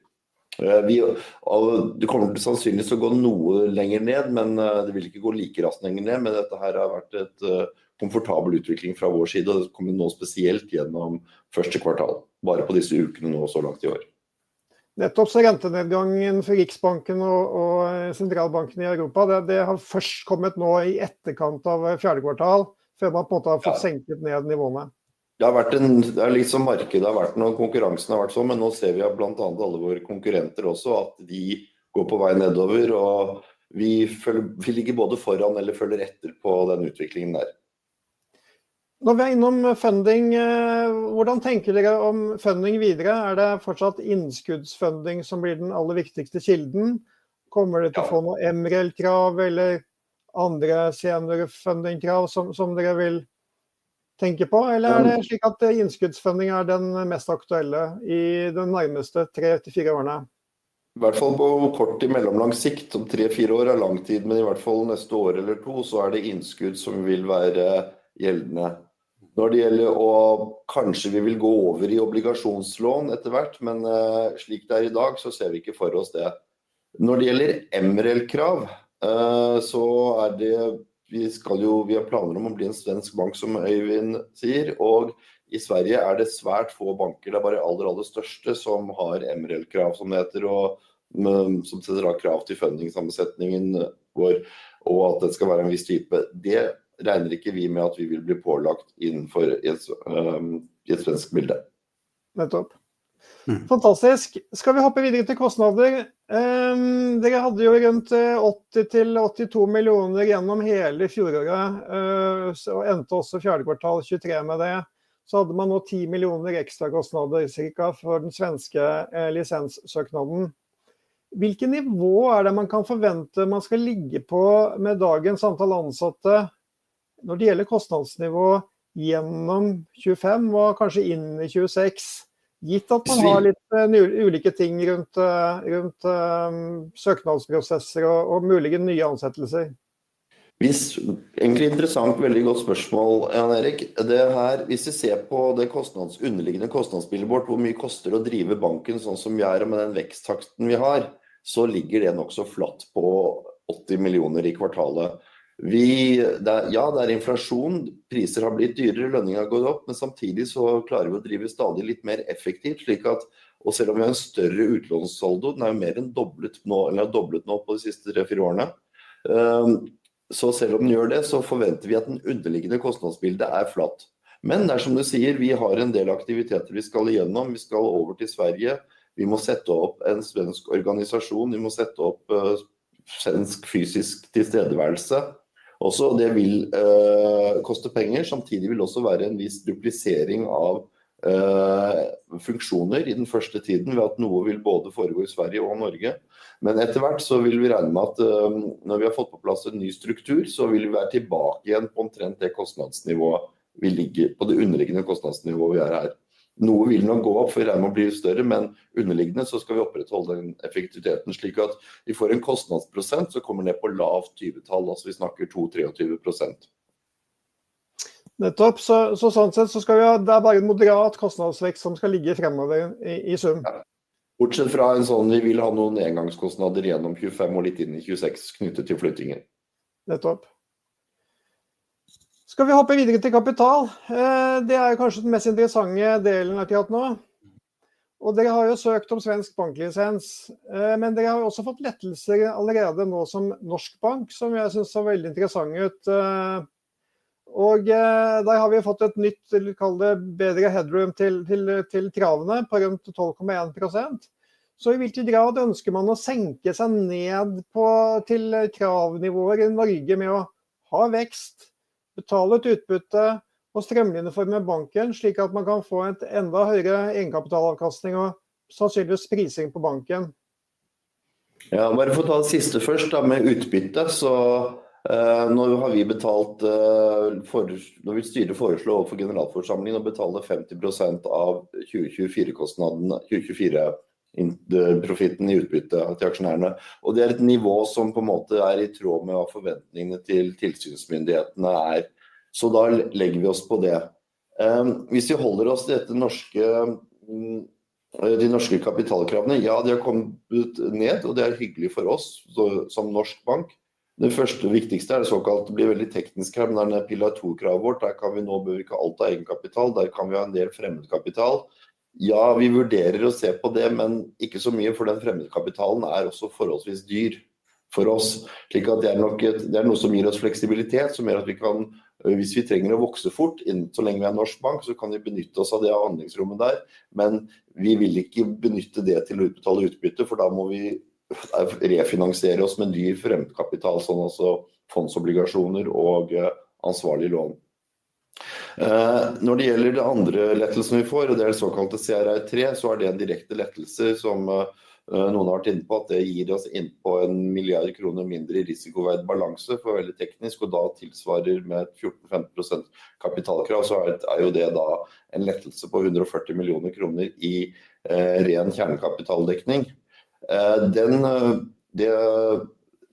Det kommer sannsynligvis til å gå noe lenger ned, men det vil ikke gå like raskt lenger ned, men dette her har vært en komfortabel utvikling fra vår side, og det kommer nå spesielt gjennom første kvartal, bare på disse ukene nå så langt i år. Nettopp, så rentenedgangen for Riksbanken og sentralbankene i Europa, det har først kommet nå i etterkant av fjerde kvartal, før man på en måte har fått senket ned nivåene. Det har vært en, det litt sånn markedet har vært noe konkurransen har vært sånn, men nå ser vi at blant annet alle våre konkurrenter også, at de går på vei nedover, og vi følger vi ligger både foran eller følger etter på den utviklingen der. Når vi kommer innom funding, hvordan tenker dere om funding videre? Er det fortsatt innskuddsfunding som blir den aller viktigste kilden? Kommer det til å få noe Emerald-krav eller andre senere funding-krav som dere vil tenke på, eller er det slik at innskuddsfunding er den mest aktuelle i de nærmeste tre til fire årene? I hvert fall på kort til mellomlang sikt, som tre-fire år lang tid, men i hvert fall neste år eller to, så er det innskudd som vil være gjeldende. Når det gjelder kanskje vi vil gå over i obligasjonslån etter hvert, men slik det er i dag, så ser vi ikke for oss det. Når det gjelder Emerald-krav, så det vi skal jo, vi har planer om å bli en svensk bank som Øyvind sier, og i Sverige det svært få banker, det bare aller aller største som har Emerald-krav som det heter, og som setter av krav til funding-sammensetningen vår, og at det skal være en viss type. Det regner ikke vi med at vi vil bli pålagt innenfor et i et svensk bilde. Nettopp. Fantastisk. Skal vi hoppe videre til kostnader? Dere hadde jo rundt 80 til 82 millioner gjennom hele fjoråret, og endte også fjerde kvartal 23 med det, så hadde man nå 10 millioner ekstra kostnader cirka for den svenske lisenssøknaden. Hvilket nivå det man kan forvente man skal ligge på med dagens antall ansatte når det gjelder kostnadsnivå gjennom 2025 og kanskje inn i 2026, gitt at man har litt ulike ting rundt søknadsprosesser og mulige nye ansettelser? Det er egentlig interessant, veldig godt spørsmål, Jan Erik. Det her, hvis vi ser på det underliggende kostnadsbildet vårt, hvor mye koster det å drive banken sånn som vi med den veksttakten vi har, så ligger det nokså flatt på NOK 80 millioner i kvartalet. Vi, det ja, det inflasjon, priser har blitt dyrere, lønninger har gått opp, men samtidig så klarer vi å drive stadig litt mer effektivt, slik at, og selv om vi har en større utlånssaldo, den jo mer enn doblet nå, eller har doblet nå på de siste tre-fire årene. Selv om den gjør det, så forventer vi at den underliggende kostnadsbildet flatt. Men det som du sier, vi har en del aktiviteter vi skal igjennom. Vi skal over til Sverige, vi må sette opp en svensk organisasjon, vi må sette opp svensk fysisk tilstedeværelse. Også det vil koste penger, samtidig vil det også være en viss duplisering av funksjoner i den første tiden, ved at noe vil både foregå i Sverige og Norge. Men etter hvert så vil vi regne med at når vi har fått på plass en ny struktur, så vil vi være tilbake igjen på omtrent det kostnadsnivået vi ligger på, det underliggende kostnadsnivået vi har her. Noe vil nok gå opp, for vi regner med å bli større, men underliggende så skal vi opprettholde den effektiviteten, slik at vi får en kostnadsprosent som kommer ned på lavt 20-tall, altså vi snakker 22-23%. Nettopp, så sånn sett så skal vi ha det bare en moderat kostnadsvekt som skal ligge fremover i sum. Bortsett fra vi vil ha noen engangskostnader gjennom 2025 og litt inn i 2026 knyttet til flyttingen. Nettopp. Skal vi hoppe videre til kapital? Det er jo kanskje den mest interessante delen av klienten nå. Dere har jo søkt om svensk banklisens, men dere har jo også fått lettelser allerede nå som norsk bank, som jeg synes ser veldig interessant ut. Der har vi jo fått et nytt, eller kall det bedre headroom til kravene på rundt 12,1%. Så i hvilken grad ønsker man å senke seg ned på til kravnivåer i Norge med å ha vekst, betale ut utbytte og strømlinjeforme banken, slik at man kan få en enda høyere egenkapitalavkastning og sannsynligvis prising på banken? Ja, bare for å ta det siste først da med utbytte, så nå har vi betalt, når styret foreslo overfor generalforsamlingen å betale 50% av 2024-profitten i utbytte til aksjonærene. Det er et nivå som på en måte er i tråd med forventningene til tilsynsmyndighetene, så da legger vi oss på det. Hvis vi holder oss til de norske kapitalkravene, ja, det har kommet ut nå, og det er hyggelig for oss som norsk bank. Det første og viktigste, det såkalte, å bli veldig teknisk her, men det Pillar 2-kravet vårt, der kan vi nå benytte alt av egenkapital, der kan vi ha en del fremmedkapital. Ja, vi vurderer å se på det, men ikke så mye, for den fremmedkapitalen er også forholdsvis dyr for oss. Slik at det nok et, det noe som gir oss fleksibilitet, som gjør at vi kan, hvis vi trenger å vokse fort, så lenge vi er en norsk bank, så kan vi benytte oss av det handlingsrommet der. Men vi vil ikke benytte det til å utbetale utbytte, for da må vi refinansiere oss med ny fremmedkapital, sånn altså fondsobligasjoner og ansvarlig lån. Når det gjelder den andre lettelsen vi får, og det det såkalte CRR3, så er det en direkte lettelse som noen har vært inne på, at det gir oss inn på en milliard kroner mindre risikoveid balanse for veldig teknisk, og da tilsvarer med et 14-15% kapitalkrav, så jo det er da en lettelse på 140 millioner kroner i ren kjernekapitaldekning. Den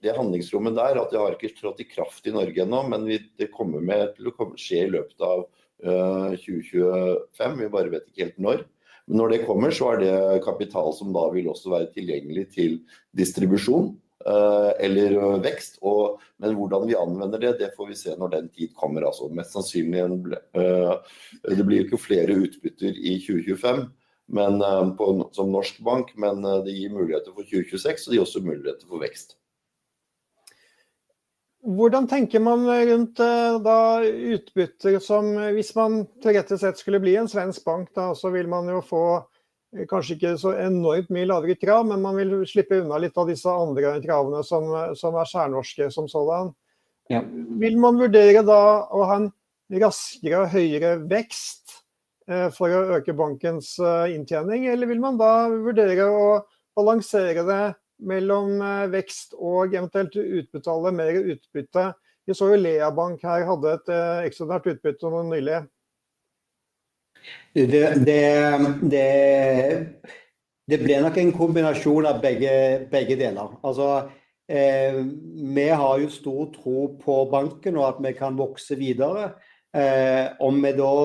det handlingsrommet der, at det har ikke trådt i kraft i Norge ennå, men vi det kommer til å skje i løpet av 2025, vi bare vet ikke helt når. Men når det kommer, så det kapital som da vil også være tilgjengelig til distribusjon eller vekst, og men hvordan vi anvender det, det får vi se når den tid kommer, altså mest sannsynlig det blir jo ikke flere utbytter i 2025, men som norsk bank, men det gir muligheter for 2026, så det gir også muligheter for vekst. Hvordan tenker man rundt da utbytter som hvis man til rett og slett skulle bli en svensk bank da, så vil man jo få kanskje ikke så enormt mye lavere krav, men man vil slippe unna litt av disse andre kravene som særnorske som sådan. Ja, vil man vurdere da å ha en raskere og høyere vekst for å øke bankens inntjening, eller vil man da vurdere å balansere det mellom vekst og eventuelt utbetale mer utbytte? Vi så jo Lea Bank her hadde et ekstraordinært utbytte nå nylig. Det ble nok en kombinasjon av begge deler. Altså vi har jo stor tro på banken og at vi kan vokse videre. Om vi da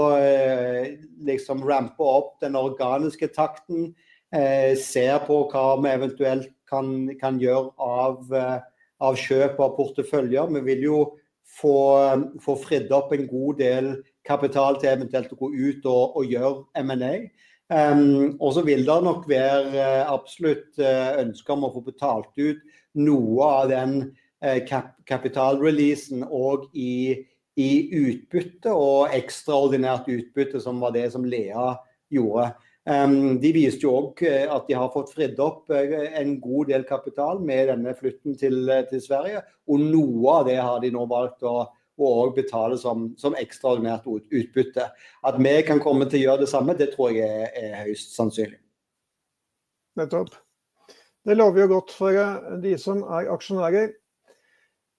ramper opp den organiske takten, ser på hva vi eventuelt kan gjøre av kjøp av porteføljer, vi vil jo få fridd opp en god del kapital til eventuelt å gå ut og gjøre M&A. Og så vil det nok være absolutt ønske om å få betalt ut noe av den kapitalreleasen i utbytte og ekstraordinært utbytte som var det som Lea gjorde. Ehm, de viste jo også at de har fått fridd opp en god del kapital med denne flytten til Sverige, og noe av det har de nå valgt å betale som ekstraordinært utbytte. At vi kan komme til å gjøre det samme, det tror jeg høyst sannsynlig. Nettopp. Det lover jo godt for de som aksjonærer.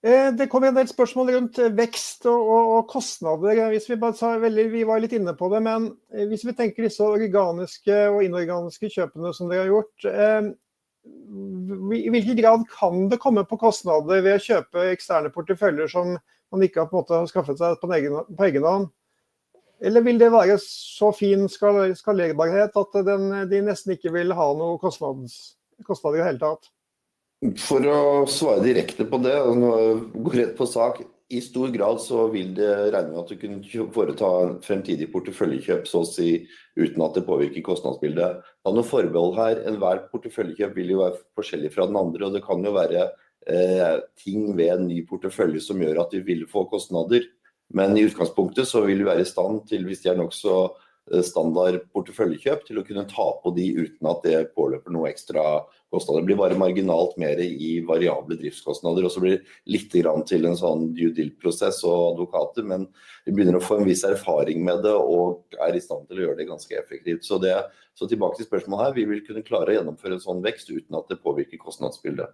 Det kommer en del spørsmål rundt vekst og kostnader. Hvis vi bare tar, vi var litt inne på det, men hvis vi tenker disse organiske og inorganiske kjøpene som dere har gjort, i hvilken grad kan det komme på kostnader ved å kjøpe eksterne porteføljer som man ikke har skaffet seg på egenhånd? Eller vil det være så fin skalerbarhet at de nesten ikke vil ha noen kostnader i det hele tatt? For å svare direkte på det, og gå rett på sak, i stor grad så vil det regne med at du kunne foreta fremtidige porteføljekjøp så å si uten at det påvirker kostnadsbildet. Det noen forbehold her, enhver porteføljekjøp vil jo være forskjellig fra den andre, og det kan jo være ting ved en ny portefølje som gjør at vi vil få kostnader. Men i utgangspunktet så vil vi være i stand til, hvis de har nok så standard porteføljekjøp, til å kunne ta på de uten at det påløper noen ekstra kostnader. Det blir bare marginalt mer i variable driftskostnader, og så blir det litt til en sånn due diligence prosess og advokater, men vi begynner å få en viss erfaring med det og i stand til å gjøre det ganske effektivt. Så det så tilbake til spørsmålet her, vi vil kunne klare å gjennomføre en sånn vekst uten at det påvirker kostnadsbildet.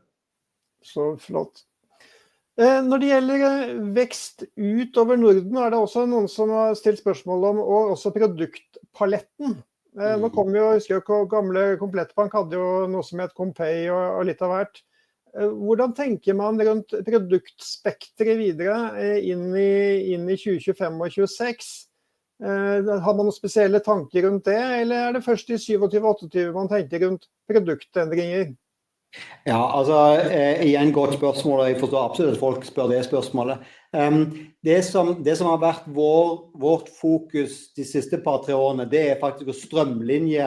Så flott. Når det gjelder vekst utover Norden, det også noen som har stilt spørsmål om og også produktpaletten. Nå kommer vi jo ikke å huske hvor gamle Komplett Bank hadde jo noe som het Compay og litt av hvert. Hvordan tenker man rundt produktspektret videre inn i 2025 og 2026? Har man noen spesielle tanker rundt det, eller det først i 2027-2028 man tenker rundt produktendringer? Ja, altså igjen godt spørsmål, og jeg forstår absolutt at folk spør det spørsmålet. Det som har vært vårt fokus de siste par tre årene, det faktisk å strømlinje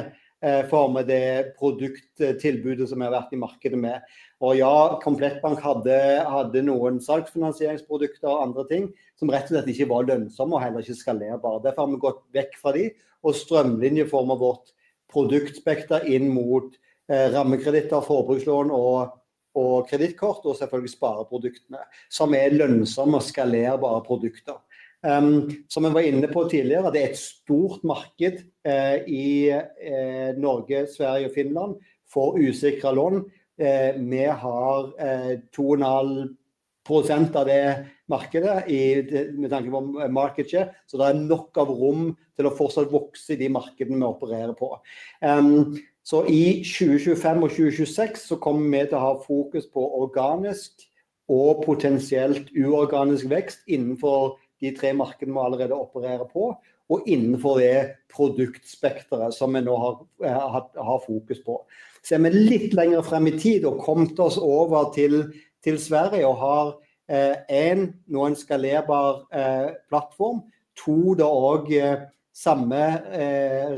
forme det produkttilbudet som vi har vært i markedet med. Og ja, Komplett Bank hadde noen salgsfinansieringsprodukter og andre ting som rett og slett ikke var lønnsomme og heller ikke skalerbart. Derfor har vi gått vekk fra de, og strømlinjeformet vårt produktspektret inn mot rammekreditt og forbrukslån og kredittkort og selvfølgelig spareproduktene som lønnsomme og skalerbare produkter. Som jeg var inne på tidligere, det er et stort marked i Norge, Sverige og Finland for usikre lån. Vi har 2,5% av det markedet med tanke på market share, så det er nok av rom til å fortsatt vokse i de markedene vi opererer på. Så i 2025 og 2026 så kommer vi til å ha fokus på organisk og potensielt uorganisk vekst innenfor de tre markedene vi allerede opererer på, og innenfor det produktspektret som vi nå har fokus på. Så vi litt lenger frem i tid og kommet oss over til Sverige og har en nå en skalerbar plattform, da og samme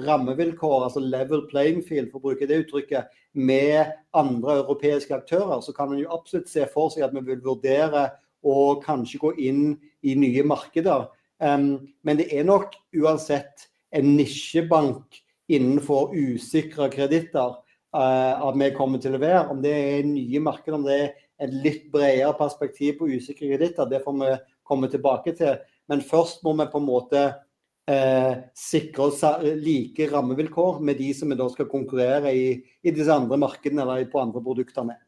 rammevilkår, altså level playing field for å bruke det uttrykket, med andre europeiske aktører, så kan man jo absolutt se for seg at vi vil vurdere å kanskje gå inn i nye markeder. Men det nok uansett en nisjebank innenfor usikre kreditter at vi kommer til å levere. Om det nye markeder, om det et litt bredere perspektiv på usikre kreditter, det får vi komme tilbake til. Men først må vi på en måte sikre oss like rammevilkår med de som vi da skal konkurrere i disse andre markedene eller på andre produkter med.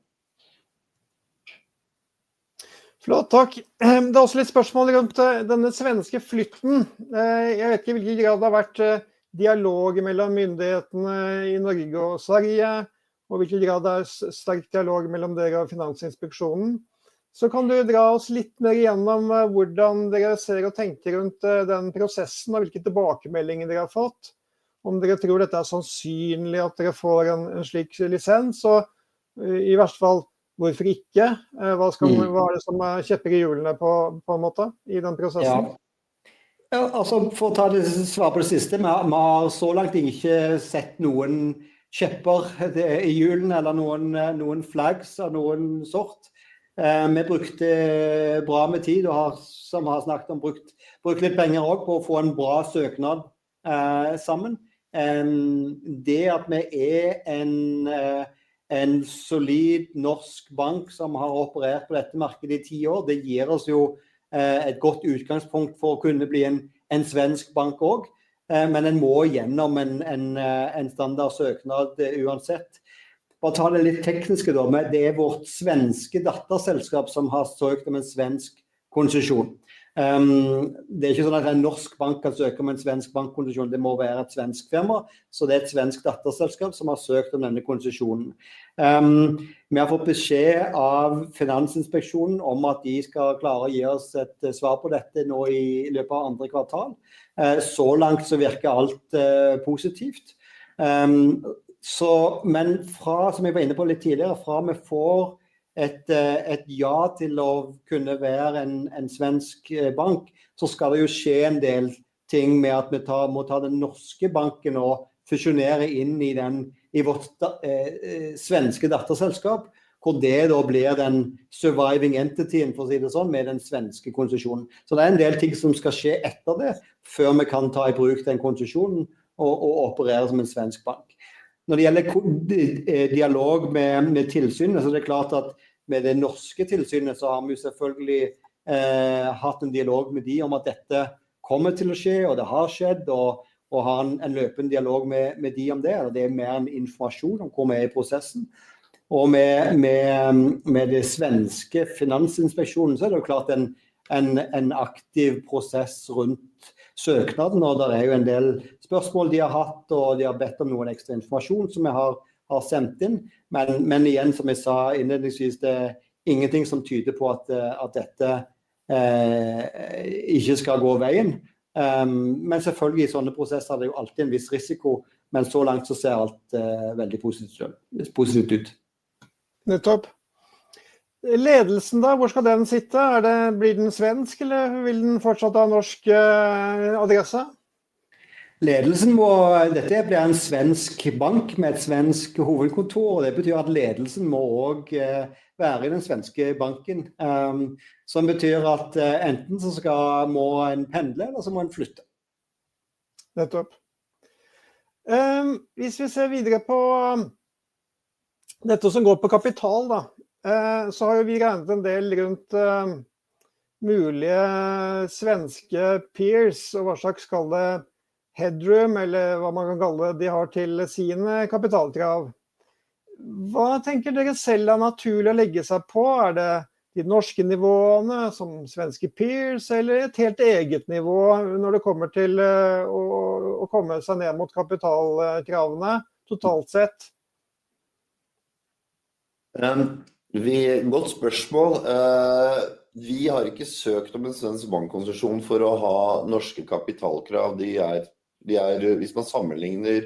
Flott, takk. Det også litt spørsmål rundt denne svenske flytten. Jeg vet ikke i hvilken grad det har vært dialog mellom myndighetene i Norge og Sverige, og i hvilken grad det er sterk dialog mellom dere og Finansinspeksjonen. Så kan du dra oss litt mer gjennom hvordan dere ser og tenker rundt den prosessen og hvilke tilbakemeldinger dere har fått. Om dere tror dette er sannsynlig at dere får en slik lisens, og i verste fall hvorfor ikke? Hva skal det være som kjeppet i hjulene på en måte i den prosessen? Ja, for å ta det svar på det siste, vi har så langt ikke sett noen kjepper i hjulene eller noen flags av noen sort. Vi brukte bra med tid, og har som vi har snakket om, brukt litt penger også på å få en bra søknad sammen. Det at vi er en solid norsk bank som har operert på dette markedet i ti år, det gir oss jo et godt utgangspunkt for å kunne bli en svensk bank også, men en må gjennom en standard søknad uansett. Bare ta det litt tekniske da, men det er vårt svenske datterselskap som har søkt om en svensk konsesjon. Det er ikke sånn at en norsk bank kan søke om en svensk bankkonsesjon, det må være et svensk firma, så det er et svensk datterselskap som har søkt om denne konsesjonen. Vi har fått beskjed av Finansinspeksjonen om at de skal klare å gi oss et svar på dette nå i løpet av andre kvartal, så langt så virker alt positivt. Men fra, som jeg var inne på litt tidligere, fra vi får et ja til å kunne være en svensk bank, så skal det jo skje en del ting med at vi må ta den norske banken og fusjonere inn i vårt svenske datterselskap, hvor det da blir den surviving entityen for å si det sånn med den svenske konsesjonen. Så det er en del ting som skal skje etter det før vi kan ta i bruk den konsesjonen og operere som en svensk bank. Når det gjelder dialog med tilsynet, så er det klart at med det norske tilsynet så har vi jo selvfølgelig hatt en dialog med de om at dette kommer til å skje, og det har skjedd, og har en løpende dialog med de om det, og det er mer enn informasjon om hvor vi er i prosessen. Og med det svenske Finansinspeksjonen så er det jo klart en aktiv prosess rundt søknaden, og det er jo en del spørsmål de har hatt, og de har bedt om noen ekstra informasjon som vi har sendt inn. Men igjen, som jeg sa innledningsvis, er det ingenting som tyder på at dette ikke skal gå veien. Men selvfølgelig, i sånne prosesser er det jo alltid en viss risiko, men så langt så ser alt veldig positivt ut. Nettopp. Ledelsen da, hvor skal den sitte? Blir det svensk, eller vil den fortsatt ha norsk adresse? Ledelsen må, dette blir en svensk bank med et svensk hovedkontor, og det betyr at ledelsen må også være i den svenske banken. Som betyr at enten så må en pendle, eller så må en flytte. Nettopp. Hvis vi ser videre på dette som går på kapital, da så har jo vi regnet en del rundt mulige svenske peers, og hva slags headroom, eller hva man kan kalle det de har til sine kapitalkrav. Hva tenker dere selv naturlig å legge seg på? Det de norske nivåene, som svenske peers, eller et helt eget nivå når det kommer til å komme seg ned mot kapitalkravene totalt sett? Det er et godt spørsmål. Vi har ikke søkt om en svensk bankkonsesjon for å ha norske kapitalkrav. Hvis man sammenligner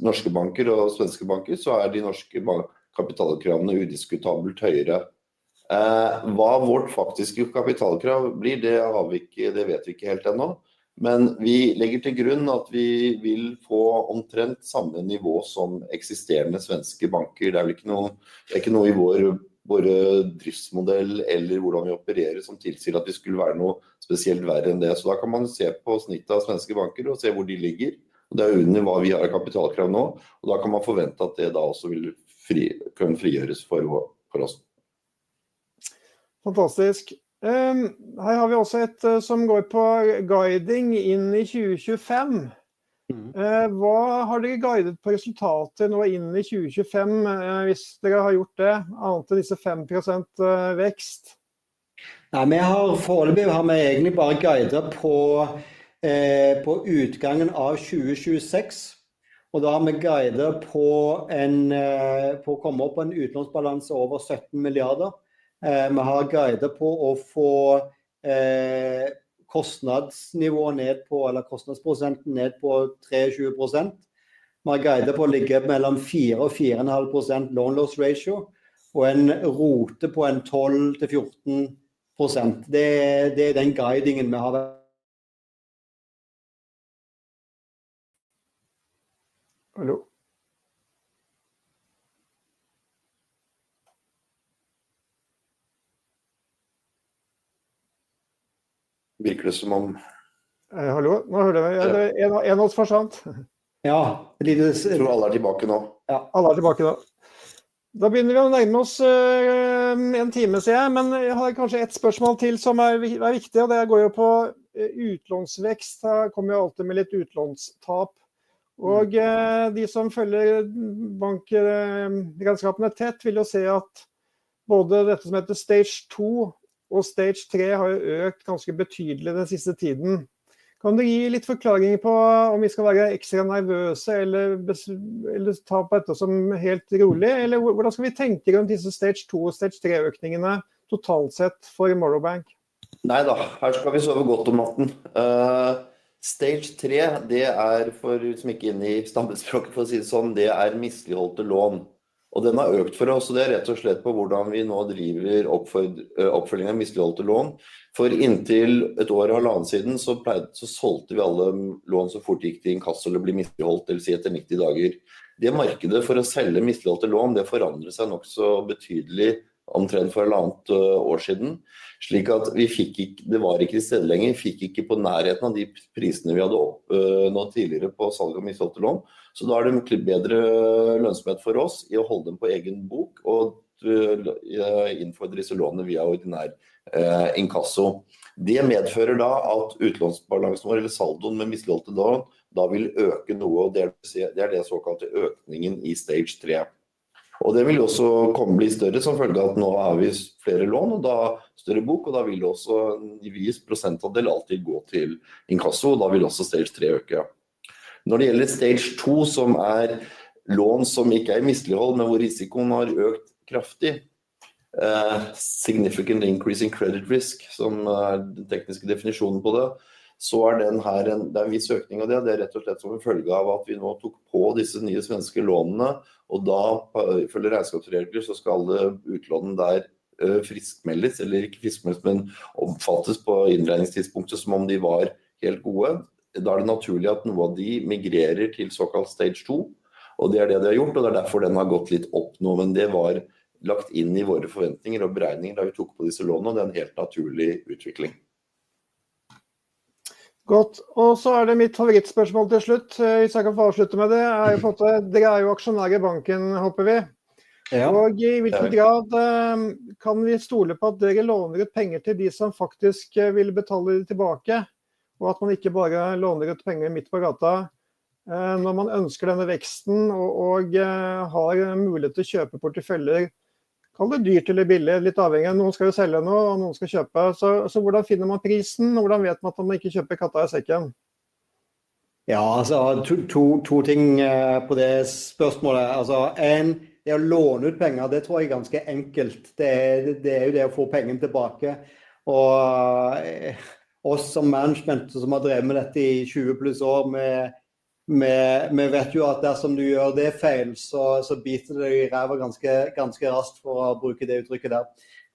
norske banker og svenske banker, så er de norske kapitalkravene udiskutabelt høyere. Hva vårt faktiske kapitalkrav blir, det har vi ikke, det vet vi ikke helt ennå. Men vi legger til grunn at vi vil få omtrent samme nivå som eksisterende svenske banker. Det vel ikke noe, det ikke noe i vår våre driftsmodell eller hvordan vi opererer som tilsier at vi skulle være noe spesielt verre enn det. Så da kan man se på snittet av svenske banker og se hvor de ligger. Og det jo under hva vi har av kapitalkrav nå. Og da kan man forvente at det da også vil kunne frigjøres for oss. Fantastisk. Her har vi også et som går på guiding inn i 2025. Hva har dere guidet på resultatet nå inn i 2025, hvis dere har gjort det, annet enn disse 5% vekst? Nei, vi har foreløpig har vi egentlig bare guidet på utgangen av 2026. Og da har vi guidet på å komme opp på en utlånsbalanse over 17 milliarder. Vi har guidet på å få kostnadsnivået ned på, eller kostnadsprosenten ned på 23%. Vi har guidet på å ligge mellom 4% og 4,5% loan loss ratio og en rote på 12% til 14%. Det er den guidingen vi har. Hallo. Virker det som om. Hallo, nå hører jeg deg. Er det noe enhåndsforstand? Ja, litt aller tilbake nå. Ja, aller tilbake da. Da begynner vi å nærme oss en time siden, men jeg har kanskje et spørsmål til som er viktig, og det går jo på utlånsvekst. Her kommer jeg alltid med litt utlånstap. De som følger bankregnskapene tett vil jo se at både dette som heter stage 2 og stage 3 har jo økt ganske betydelig den siste tiden. Kan du gi litt forklaring på om vi skal være ekstra nervøse eller ta på dette som helt rolig, eller hvordan skal vi tenke rundt disse stage 2 og stage 3-økningene totalt sett for Morrow Bank? Nei da, her skal vi sove godt om natten. Stage 3, det for de som ikke inne i stammespråket for å si det sånn, det misligholdte lån. Og den har økt for oss, og det rett og slett på hvordan vi nå driver oppfølging av misligholdte lån. For inntil et år og halvannet siden så solgte vi alle lån så fort de gikk til inkasso eller ble misligholdt, det vil si etter 90 dager. Det markedet for å selge misligholdte lån, det forandrer seg nokså betydelig omtrent for halvannet år siden. Slik at vi fikk ikke, det var ikke i stedet lenger, vi fikk ikke på nærheten av de prisene vi hadde opp nå tidligere på salg av misligholdte lån. Så da det mye bedre lønnsomhet for oss i å holde dem på egen bok og innføre disse lånene via ordinær inkasso. Det medfører da at utlånsbalansen vår, eller saldoen med misligholdte lån, da vil øke noe, og det det såkalte økningen i stage 3. Det vil jo også komme bli større som følge av at nå har vi flere lån, og da større bok, og da vil det også i vis prosentandel alltid gå til inkasso, og da vil også stage 3 øke. Når det gjelder stage 2, som lån som ikke i mislighold, men hvor risikoen har økt kraftig, significant increase in credit risk, som den tekniske definisjonen på det, så den her en, det en viss økning av det, og det rett og slett som en følge av at vi nå tok på disse nye svenske lånene, og da følger regnskapsregler, så skal alle utlånene der friskmeldes, eller ikke friskmeldes, men omfattes på innregningstidspunktet som om de var helt gode. Da det naturlig at noe av de migrerer til såkalt stage 2, og det det de har gjort, og det derfor den har gått litt opp nå, men det var lagt inn i våre forventninger og beregninger da vi tok på disse lånene, og det en helt naturlig utvikling. Godt, og så det mitt favorittspørsmål til slutt, hvis jeg kan få avslutte med det. Jeg har jo fått det, dere jo aksjonærer i banken, håper vi. Ja. Og i hvilken grad kan vi stole på at dere låner ut penger til de som faktisk vil betale det tilbake, og at man ikke bare låner ut penger midt på gata, når man ønsker denne veksten og har mulighet til å kjøpe porteføljer, kall det dyrt eller billig, litt avhengig av, noen skal jo selge noe, og noen skal kjøpe, så hvordan finner man prisen, og hvordan vet man at man ikke kjøper katta i sekken? Ja, altså to ting på det spørsmålet, altså en, det å låne ut penger, det tror jeg ganske enkelt, det jo det å få pengene tilbake, og oss som management som har drevet med dette i 20 pluss år, vi vet jo at dersom du gjør det feil, så biter det i ræva ganske raskt for å bruke det uttrykket der.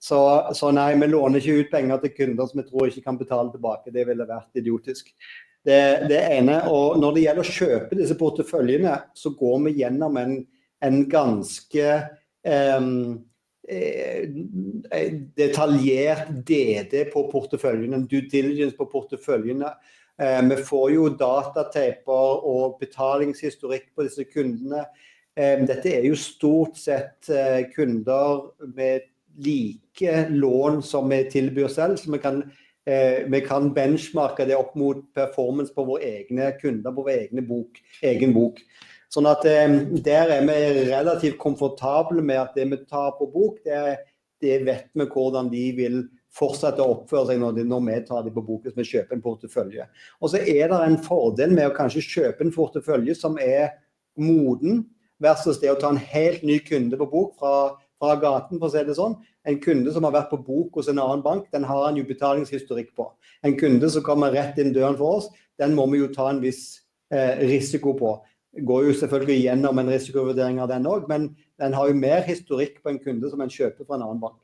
Så nei, vi låner ikke ut penger til kunder som vi tror ikke kan betale tilbake, det ville vært idiotisk. Det ene, og når det gjelder å kjøpe disse porteføljene, så går vi gjennom en ganske detaljert DD på porteføljene, due diligence på porteføljene. Vi får jo datataper og betalingshistorikk på disse kundene, dette er jo stort sett kunder med like lån som vi tilbyr selv, så vi kan benchmarke det opp mot performance på våre egne kunder, på våre egne bok. Egen bok. Vi er relativt komfortable med at det vi tar på bok, det vet vi hvordan de vil fortsette å oppføre seg når vi tar dem på bok, hvis vi kjøper en portefølje. Og så det en fordel med å kanskje kjøpe en portefølje som moden, versus det å ta en helt ny kunde på bok fra gaten for å si det sånn. En kunde som har vært på bok hos en annen bank, den har han jo betalingshistorikk på. En kunde som kommer rett inn døren for oss, den må vi jo ta en viss risiko på. Det går jo selvfølgelig gjennom en risikovurdering av den også, men den har jo mer historikk på en kunde som man kjøper fra en annen bank.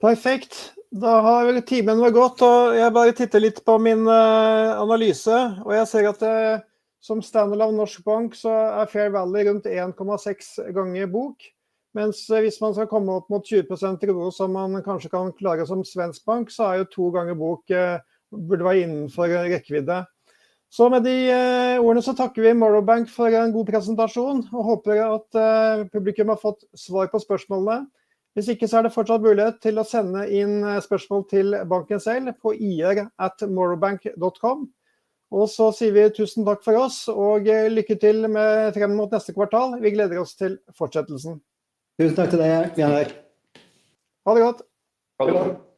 Perfekt, da har vel timen vært godt, og jeg bare titter litt på min analyse, og jeg ser at det som standard av Norsk Bank, så fair value rundt 1,6 ganger bok, mens hvis man skal komme opp mot 20% i RoE, som man kanskje kan klare som svensk bank, så jo to ganger bok burde være innenfor rekkevidde. Så med de ordene så takker vi Morrow Bank for en god presentasjon, og håper at publikum har fått svar på spørsmålene. Hvis ikke, så det fortsatt mulighet til å sende inn spørsmål til banken selv på ir.morrowbank.com, og så sier vi tusen takk for oss, og lykke til med frem mot neste kvartal, vi gleder oss til fortsettelsen. Tusen takk til deg, Bjarne. Ha det godt. Ha det bra.